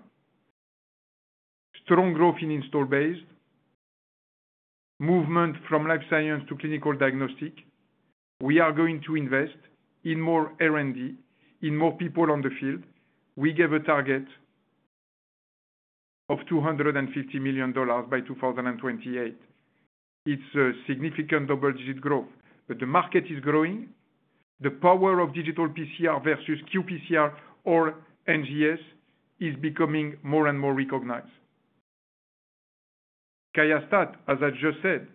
strong growth in install base, movement from life science to clinical diagnostic. We are going to invest in more R&D, in more people on the field. We gave a target of $250 million by 2028. It's a significant double-digit growth. But the market is growing. The power of digital PCR versus qPCR or NGS is becoming more and more recognized. QIAstat-Dx, as I just said,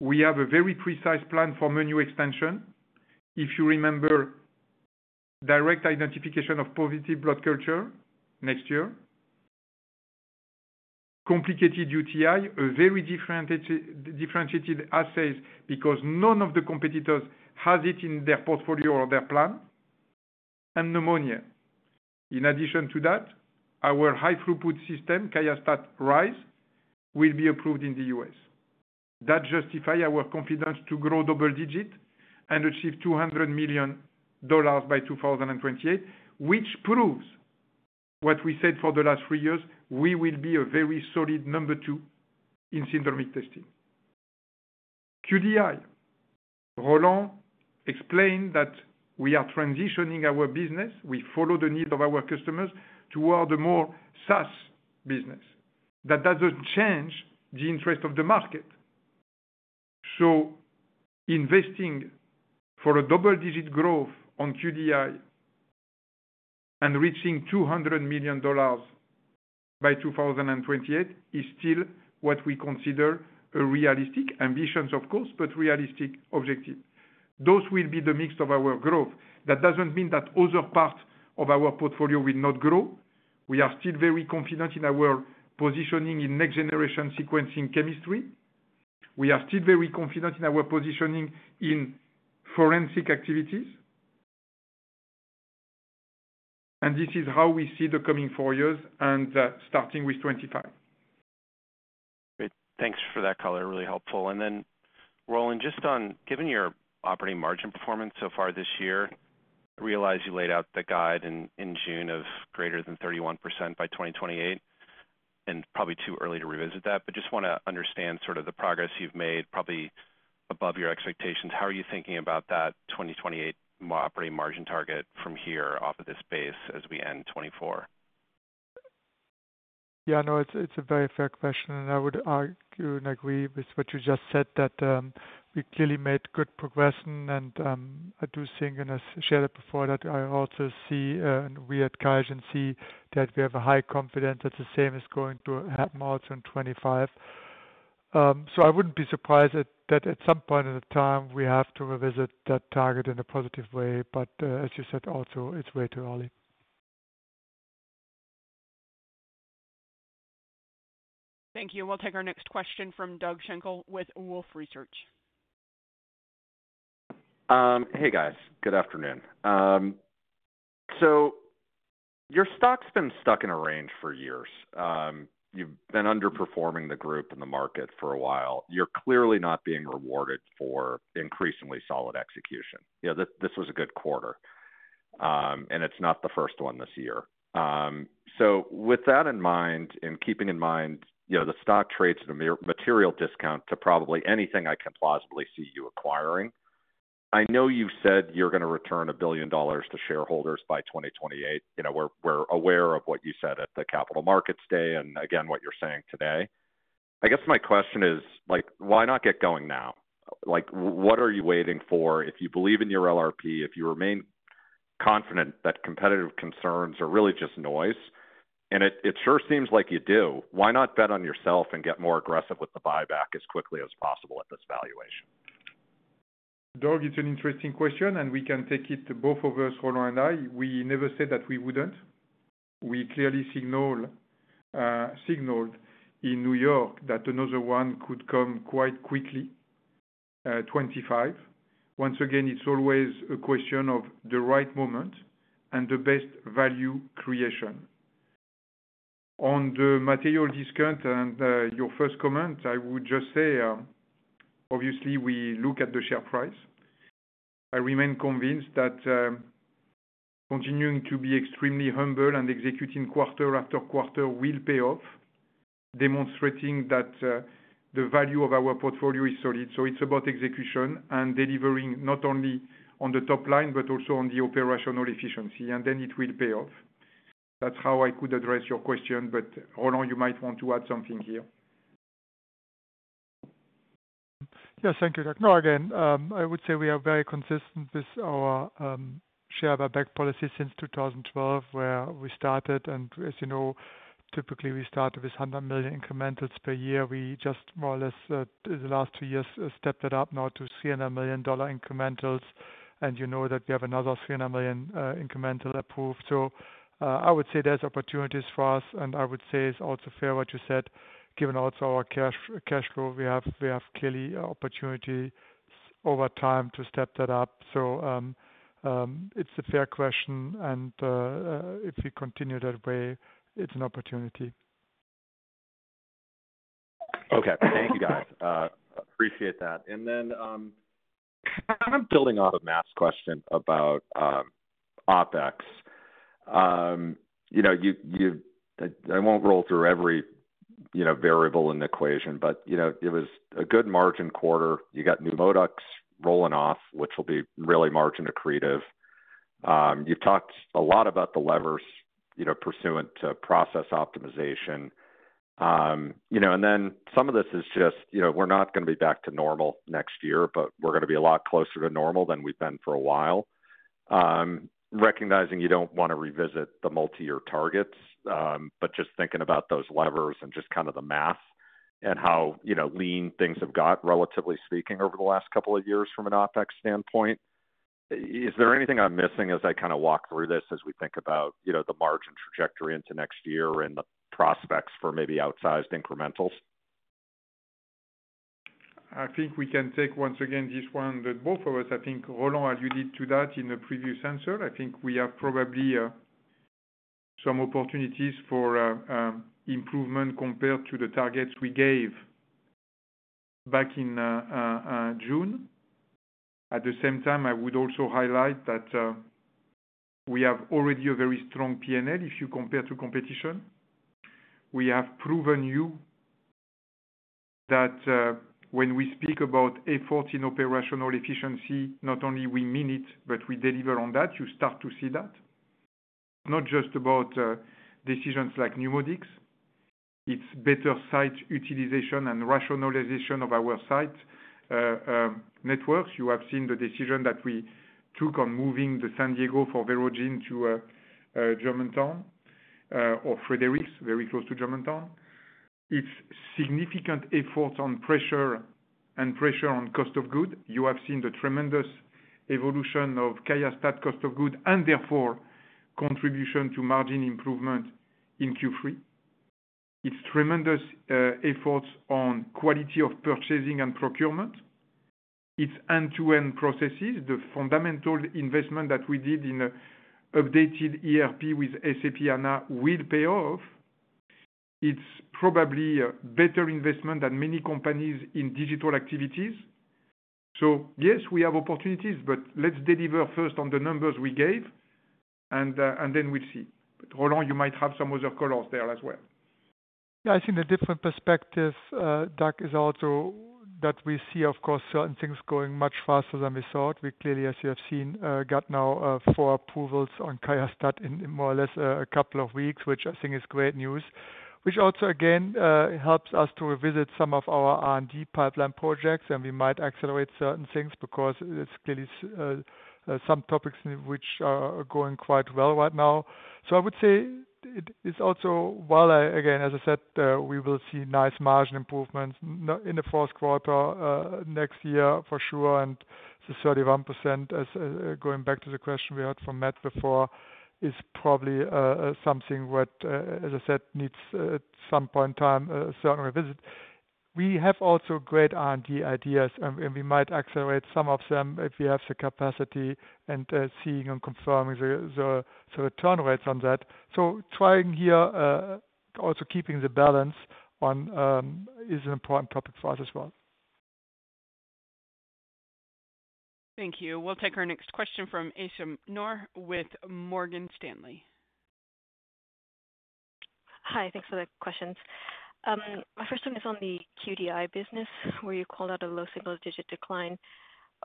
we have a very precise plan for menu extension. If you remember, direct identification of positive blood culture next year, complicated UTI, a very differentiated assay because none of the competitors has it in their portfolio or their plan, and pneumonia. In addition to that, our high-throughput system, QIAstat-Dx Rise, will be approved in the U.S. That justifies our confidence to grow double-digit and achieve $200 million by 2028, which proves what we said for the last three years. We will be a very solid number two in syndromic testing. QDI, Roland explained that we are transitioning our business. We follow the needs of our customers toward a more SaaS business. That doesn't change the interest of the market. Investing for a double-digit growth on QDI and reaching $200 million by 2028 is still what we consider a realistic ambition, of course, but realistic objective. Those will be the mix of our growth. That doesn't mean that other parts of our portfolio will not grow. We are still very confident in our positioning in next-generation sequencing chemistry. We are still very confident in our positioning in forensic activities. And this is how we see the coming four years and starting with 2025. Great. Thanks for that color. Really helpful. And then, Roland, just one, given your operating margin performance so far this year, I realize you laid out the guide in June of greater than 31% by 2028, and probably too early to revisit that, but just want to understand sort of the progress you've made, probably above your expectations. How are you thinking about that 2028 operating margin target from here off of this base as we end 2024? Yeah, no, it's a very fair question, and I would argue and agree with what you just said that we clearly made good progression. And I do think, and I shared it before, that I also see we at QIAGEN see that we have a high confidence that the same is going to happen also in 2025. So I wouldn't be surprised that at some point in the time, we have to revisit that target in a positive way. But as you said, also, it's way too early. Thank you. We'll take our next question from Doug Schenkel with Wolfe Research. Hey, guys. Good afternoon. So your stock's been stuck in a range for years. You've been underperforming the group and the market for a while. You're clearly not being rewarded for increasingly solid execution. This was a good quarter, and it's not the first one this year. So with that in mind, and keeping in mind the stock trades at a material discount to probably anything I can plausibly see you acquiring, I know you've said you're going to return $1 billion to shareholders by 2028. We're aware of what you said at the Capital Markets Day and, again, what you're saying today. I guess my question is, why not get going now? What are you waiting for? If you believe in your LRP, if you remain confident that competitive concerns are really just noise, and it sure seems like you do, why not bet on yourself and get more aggressive with the buyback as quickly as possible at this valuation? Doug, it's an interesting question, and we can take it to both of us, Roland and I. We never said that we wouldn't. We clearly signaled in New York that another one could come quite quickly, 2025. Once again, it's always a question of the right moment and the best value creation. On the material discount and your first comment, I would just say, obviously, we look at the share price. I remain convinced that continuing to be extremely humble and executing quarter after quarter will pay off, demonstrating that the value of our portfolio is solid. So it's about execution and delivering not only on the top line but also on the operational efficiency, and then it will pay off. That's how I could address your question, but Roland, you might want to add something here. Yeah, thank you, Doug. No, again, I would say we are very consistent with our share buyback policy since 2012 where we started. And as you know, typically, we started with 100 million incrementals per year. We just, more or less, in the last two years, stepped it up now to $300 million incrementals. And you know that we have another $300 million incremental approved. So I would say there's opportunities for us, and I would say it's also fair what you said. Given also our cash flow, we have clearly opportunity over time to step that up. So it's a fair question, and if we continue that way, it's an opportunity. Okay. Thank you, guys. Appreciate that. And then I'm building off of Matt's question about OpEx. I won't roll through every variable in the equation, but it was a good margin quarter. You got new NeuMoDx rolling off, which will be really margin accretive. You've talked a lot about the levers pursuant to process optimization, and then some of this is just we're not going to be back to normal next year, but we're going to be a lot closer to normal than we've been for a while. Recognizing you don't want to revisit the multi-year targets, but just thinking about those levers and just kind of the math and how lean things have got, relatively speaking, over the last couple of years from an OpEx standpoint. Is there anything I'm missing as I kind of walk through this as we think about the margin trajectory into next year and the prospects for maybe outsized incrementals? I think we can take once again this one that both of us, I think Roland alluded to that in a previous answer. I think we have probably some opportunities for improvement compared to the targets we gave back in June. At the same time, I would also highlight that we have already a very strong P&L if you compare to competition. We have proven you that when we speak about effort in operational efficiency, not only we mean it, but we deliver on that. You start to see that. It's not just about decisions like NeuMoDx. It's better site utilization and rationalization of our site networks. You have seen the decision that we took on moving the San Diego Verogen to Germantown or Frederick, very close to Germantown. It's significant efforts on procurement and pressure on cost of goods. You have seen the tremendous evolution of QIAstat cost of goods and therefore contribution to margin improvement in Q3. It's tremendous efforts on quality of purchasing and procurement. It's end-to-end processes. The fundamental investment that we did in updated ERP with SAP S/4HANA will pay off. It's probably a better investment than many companies in digital activities. So yes, we have opportunities, but let's deliver first on the numbers we gave, and then we'll see. Roland, you might have some other colors there as well. Yeah, I think the different perspective, Doug, is also that we see, of course, certain things going much faster than we thought. We clearly, as you have seen, got now four approvals on QIAstat in more or less a couple of weeks, which I think is great news, which also, again, helps us to revisit some of our R&D pipeline projects, and we might accelerate certain things because it's clearly some topics which are going quite well right now. So I would say it's also, while I, again, as I said, we will see nice margin improvements in the first quarter next year for sure. The 31%, going back to the question we heard from Matt before, is probably something what, as I said, needs at some point in time a certain revisit. We have also great R&D ideas, and we might accelerate some of them if we have the capacity and seeing and confirming the return rates on that. Trying here, also keeping the balance on is an important topic for us as well. Thank you. We'll take our next question from Aisyah Noor with Morgan Stanley. Hi. Thanks for the questions. My first one is on the QDI business where you called out a low single-digit decline.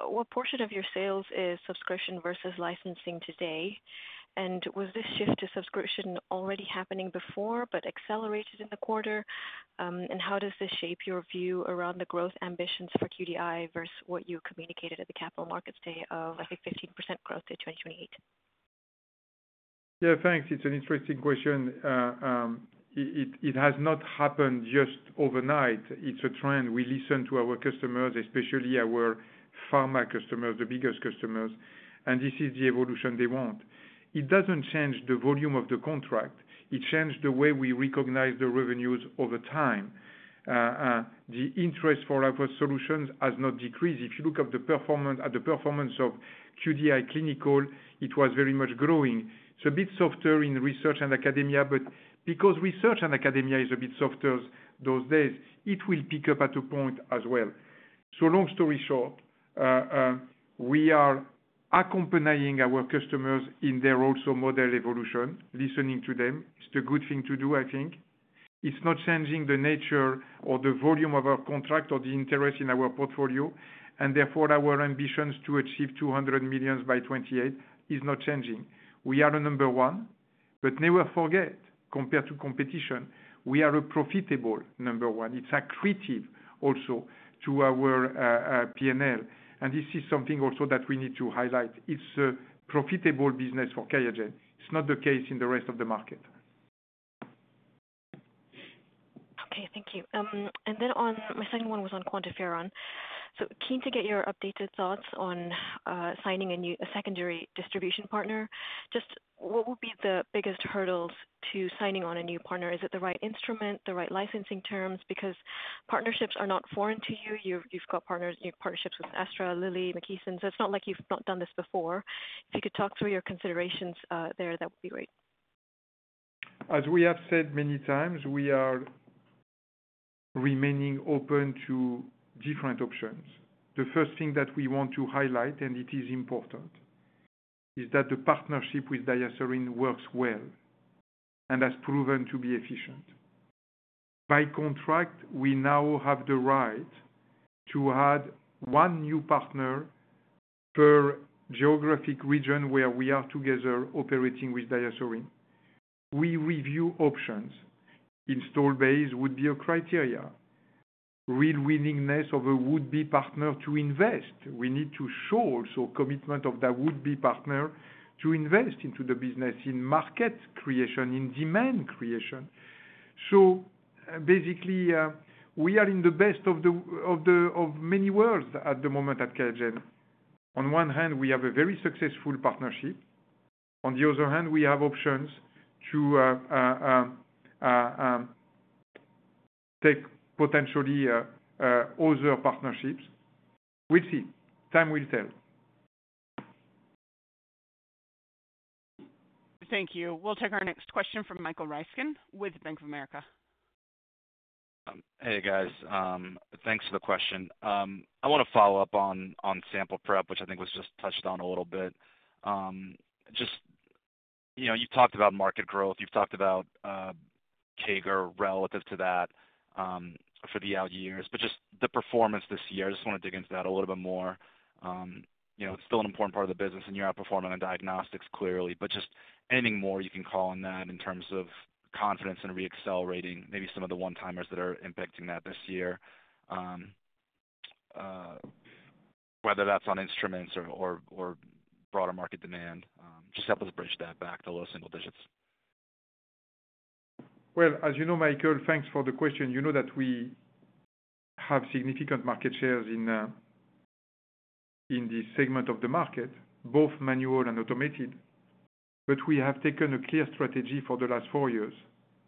What portion of your sales is subscription versus licensing today? And was this shift to subscription already happening before but accelerated in the quarter? And how does this shape your view around the growth ambitions for QDI versus what you communicated at the Capital Markets Day of, I think, 15% growth to 2028? Yeah, thanks. It's an interesting question. It has not happened just overnight. It's a trend. We listen to our customers, especially our pharma customers, the biggest customers, and this is the evolution they want. It doesn't change the volume of the contract. It changed the way we recognize the revenues over time. The interest for our solutions has not decreased. If you look at the performance of QDI Clinical, it was very much growing. It's a bit softer in research and academia, but because research and academia is a bit softer those days, it will pick up at a point as well. So long story short, we are accompanying our customers in their SaaS model evolution, listening to them. It's a good thing to do, I think. It's not changing the nature or the volume of our contract or the interest in our portfolio. Therefore, our ambitions to achieve 200 million by 2028 is not changing. We are a number one, but never forget, compared to competition, we are a profitable number one. It's accretive also to our P&L. And this is something also that we need to highlight. It's a profitable business for QIAGEN. It's not the case in the rest of the market. Okay. Thank you. Then my second one was on QuantiFERON. Keen to get your updated thoughts on signing a secondary distribution partner. Just what would be the biggest hurdles to signing on a new partner? Is it the right instrument, the right licensing terms? Because partnerships are not foreign to you. You've got partnerships with Astra, Lilly, McKesson. So it's not like you've not done this before. If you could talk through your considerations there, that would be great. As we have said many times, we are remaining open to different options. The first thing that we want to highlight, and it is important, is that the partnership with DiaSorin works well and has proven to be efficient. By contract, we now have the right to add one new partner per geographic region where we are together operating with DiaSorin. We review options. Install base would be a criteria. Real willingness of a would-be partner to invest. We need to show also commitment of that would-be partner to invest into the business, in market creation, in demand creation. So basically, we are in the best of many worlds at the moment at QIAGEN. On one hand, we have a very successful partnership. On the other hand, we have options to take potentially other partnerships. We'll see. Time will tell. Thank you. We'll take our next question from Michael Ryskin with Bank of America. Hey, guys. Thanks for the question. I want to follow up on sample prep, which I think was just touched on a little bit. You've talked about market growth. You've talked about CAGR relative to that for the out years. But just the performance this year, I just want to dig into that a little bit more. It's still an important part of the business, and you're outperforming on diagnostics clearly. But just anything more you can call on that in terms of confidence and re-accelerating, maybe some of the one-timers that are impacting that this year, whether that's on instruments or broader market demand. Just help us bridge that back to low single digits. As you know, Michael, thanks for the question. You know that we have significant market shares in this segment of the market, both manual and automated, but we have taken a clear strategy for the last four years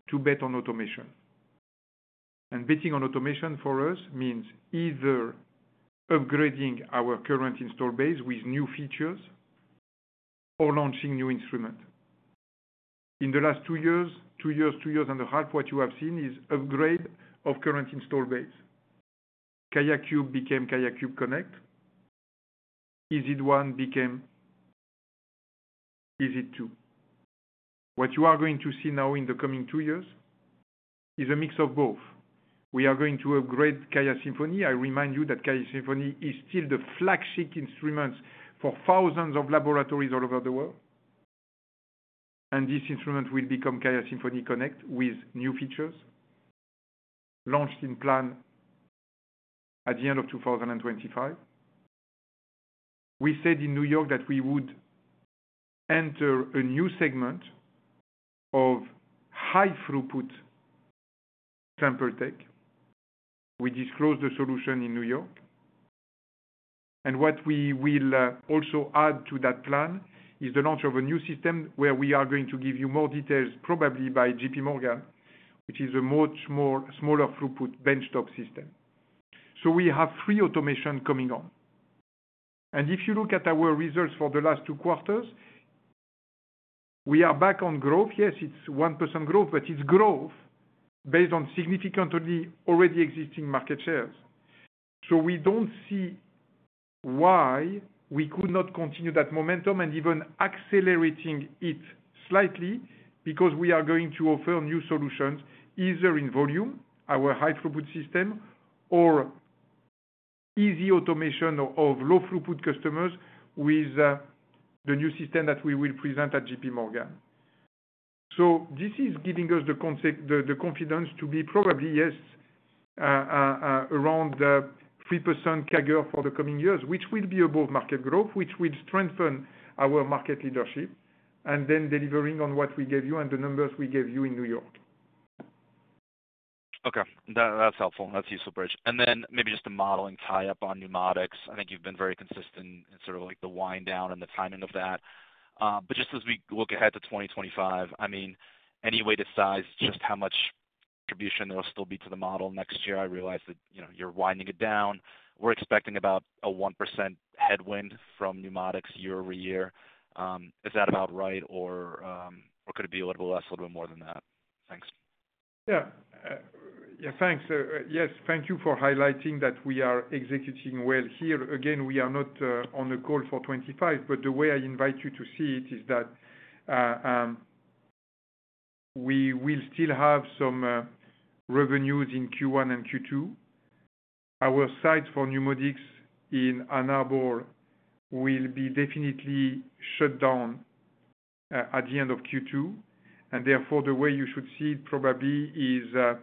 to bet on automation. And betting on automation for us means either upgrading our current install base with new features or launching new instruments. In the last two years and a half, what you have seen is upgrade of current install base. QIAcube became QIAcube Connect. EZ1 became EZ2? What you are going to see now in the coming two years is a mix of both. We are going to upgrade QIAsymphony. I remind you that QIAsymphony is still the flagship instrument for thousands of laboratories all over the world. And this instrument will become QIAsymphony Connect with new features launched in plan at the end of 2025. We said in New York that we would enter a new segment of high-throughput sample tech. We disclosed the solution in New York. And what we will also add to that plan is the launch of a new system where we are going to give you more details, probably by J.P. Morgan, which is a much smaller throughput benchtop system. So we have three automations coming on. And if you look at our results for the last two quarters, we are back on growth. Yes, it's 1% growth, but it's growth based on significantly already existing market shares. So we don't see why we could not continue that momentum and even accelerating it slightly because we are going to offer new solutions either in volume, our high-throughput system, or easy automation of low-throughput customers with the new system that we will present at JPMorgan. So this is giving us the confidence to be probably, yes, around 3% CAGR for the coming years, which will be above market growth, which will strengthen our market leadership, and then delivering on what we gave you and the numbers we gave you in New York. Okay. That's helpful. That's useful bridge. And then maybe just a modeling tie-up on NeuMoDx. I think you've been very consistent in sort of the wind down and the timing of that. But just as we look ahead to 2025, I mean, any way to size just how much contribution there will still be to the model next year, I realize that you're winding it down. We're expecting about a 1% headwind from NeuMoDx year over year. Is that about right, or could it be a little bit less, a little bit more than that? Thanks. Yeah. Yeah, thanks. Yes, thank you for highlighting that we are executing well here. Again, we are not on a call for 2025, but the way I invite you to see it is that we will still have some revenues in Q1 and Q2. Our sites for NeuMoDx in Ann Arbor will be definitely shut down at the end of Q2. And therefore, the way you should see it probably is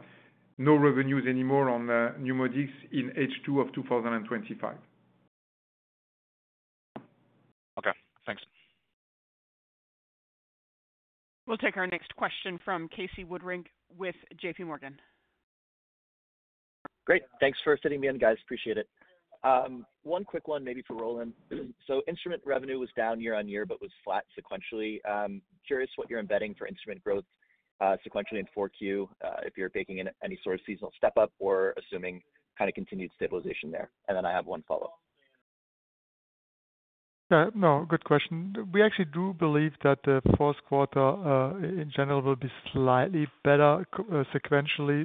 no revenues anymore on NeuMoDx in H2 of 2025. Okay. Thanks. We'll take our next question from Casey Woodring with J.P. Morgan. Great. Thanks for fitting me in, guys. Appreciate it. One quick one, maybe for Roland. So instrument revenue was down year on year but was flat sequentially. Curious what you're embedding for instrument growth sequentially in 4Q if you're baking in any sort of seasonal step-up or assuming kind of continued stabilization there. And then I have one follow-up. No, good question. We actually do believe that the first quarter, in general, will be slightly better sequentially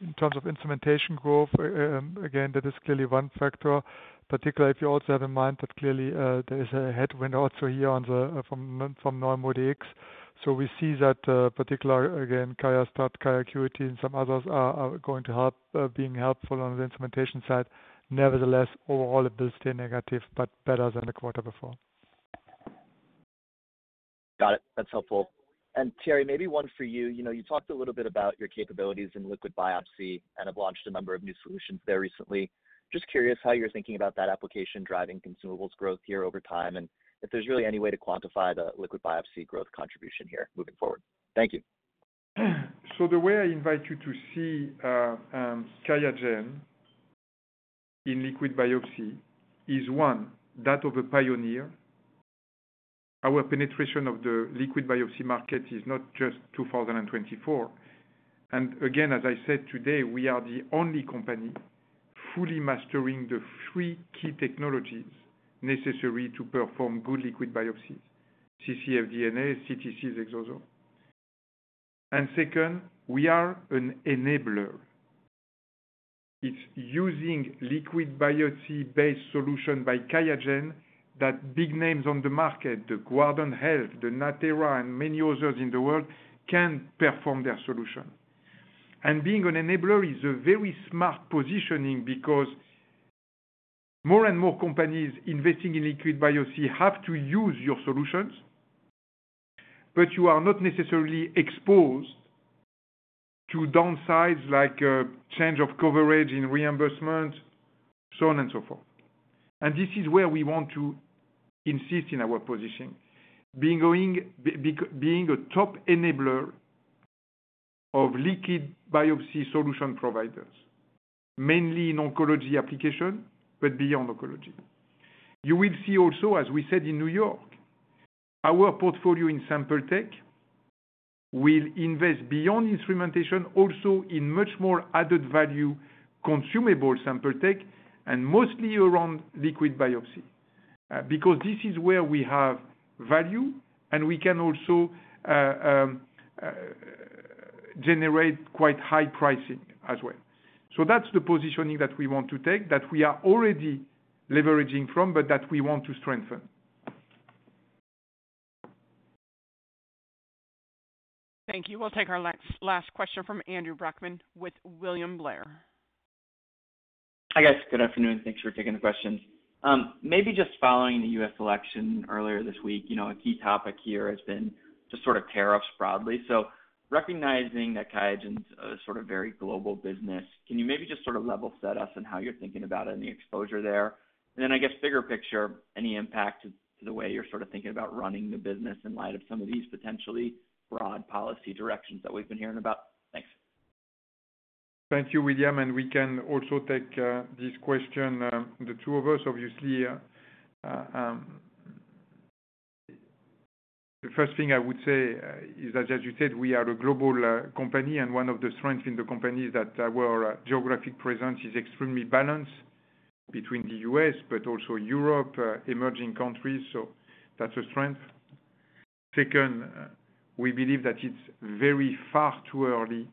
in terms of instrumentation growth. Again, that is clearly one factor, particularly if you also have in mind that clearly there is a headwind also here from NeuMoDx. So we see that particular, again, QIAstat, QIAcuity, and some others are going to help being helpful on the instrumentation side. Nevertheless, overall, it will stay negative but better than the quarter before. Got it. That's helpful. And Thierry, maybe one for you. You talked a little bit about your capabilities in liquid biopsy and have launched a number of new solutions there recently. Just curious how you're thinking about that application driving consumables growth here over time and if there's really any way to quantify the liquid biopsy growth contribution here moving forward. Thank you. So the way I invite you to see QIAGEN in liquid biopsy is, one, that of a pioneer. Our penetration of the liquid biopsy market is not just 2024. And again, as I said today, we are the only company fully mastering the three key technologies necessary to perform good liquid biopsies: cfDNA, CTCs, exosomes. And second, we are an enabler. It's using liquid biopsy-based solution by QIAGEN that big names on the market, the Guardant Health, the Natera, and many others in the world can perform their solution. Being an enabler is a very smart positioning because more and more companies investing in liquid biopsy have to use your solutions, but you are not necessarily exposed to downsides like change of coverage in reimbursement, so on and so forth. This is where we want to insist in our position, being a top enabler of liquid biopsy solution providers, mainly in oncology application, but beyond oncology. You will see also, as we said in New York, our portfolio in sample tech will invest beyond instrumentation also in much more added value consumable sample tech and mostly around liquid biopsy because this is where we have value and we can also generate quite high pricing as well. So that's the positioning that we want to take that we are already leveraging from but that we want to strengthen. Thank you. We'll take our last question from Andrew Brackmann with William Blair. Hi, guys. Good afternoon. Thanks for taking the questions. Maybe just following the U.S. election earlier this week, a key topic here has been just sort of tariffs broadly. So recognizing that QIAGEN's a sort of very global business, can you maybe just sort of level set us in how you're thinking about any exposure there? And then I guess bigger picture, any impact to the way you're sort of thinking about running the business in light of some of these potentially broad policy directions that we've been hearing about? Thanks. Thank you, William. And we can also take this question, the two of us, obviously. The first thing I would say is that, as you said, we are a global company, and one of the strengths in the company is that our geographic presence is extremely balanced between the U.S. but also Europe, emerging countries. So that's a strength. Second, we believe that it's very far too early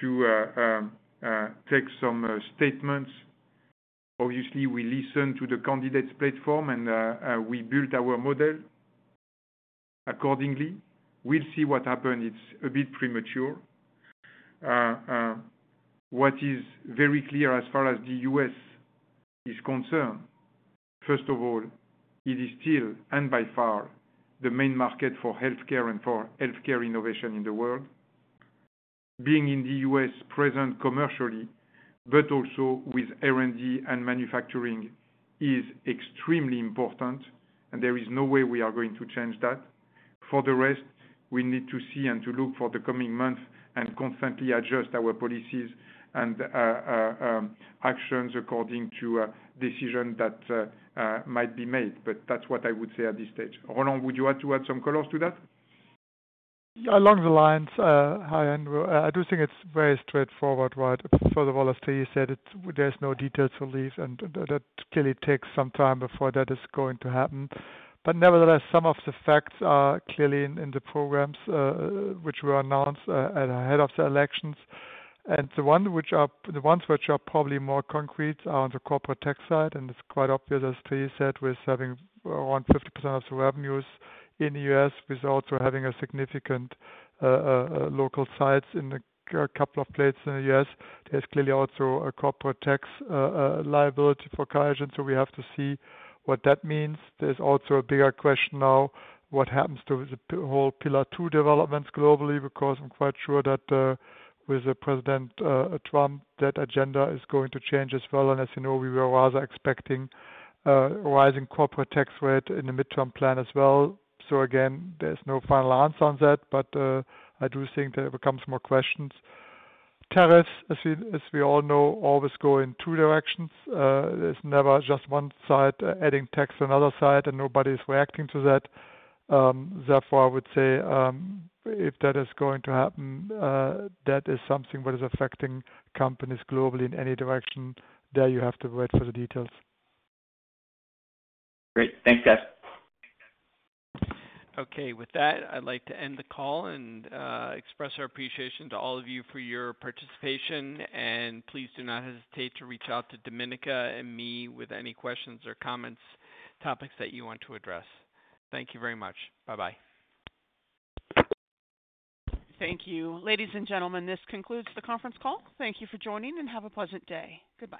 to take some statements. Obviously, we listen to the candidate's platform, and we built our model accordingly. We'll see what happens. It's a bit premature. What is very clear as far as the U.S. is concerned, first of all, it is still, and by far, the main market for healthcare and for healthcare innovation in the world. Being in the U.S. present commercially but also with R&D and manufacturing is extremely important, and there is no way we are going to change that. For the rest, we need to see and to look for the coming month and constantly adjust our policies and actions according to decisions that might be made. But that's what I would say at this stage. Roland, would you add some color to that? Along those lines, hi, Andrew. I do think it's very straightforward, right? First of all, as Thierry said, there's no details to reveal, and that clearly takes some time before that is going to happen. But nevertheless, some of the facts are clearly in the programs which were announced ahead of the elections. And the ones which are probably more concrete are on the corporate tax side. And it's quite obvious, as Thierry said, we're deriving around 50% of the revenues in the U.S., while also having significant local sites in a couple of places in the U.S. There's clearly also a corporate tax liability for QIAGEN, so we have to see what that means. There's also a bigger question now, what happens to the whole Pillar Two developments globally? Because I'm quite sure that with President Trump, that agenda is going to change as well. And as you know, we were rather expecting a rising corporate tax rate in the midterm plan as well. So again, there's no final answer on that, but I do think that it becomes more questions. Tariffs, as we all know, always go in two directions. There's never just one side adding tax to another side, and nobody is reacting to that. Therefore, I would say if that is going to happen, that is something that is affecting companies globally in any direction. There you have to wait for the details. Great. Thanks, guys. Okay. With that, I'd like to end the call and express our appreciation to all of you for your participation. And please do not hesitate to reach out to Dominic and me with any questions or comments, topics that you want to address. Thank you very much. Bye-bye. Thank you. Ladies and gentlemen, this concludes the conference call. Thank you for joining, and have a pleasant day. Goodbye.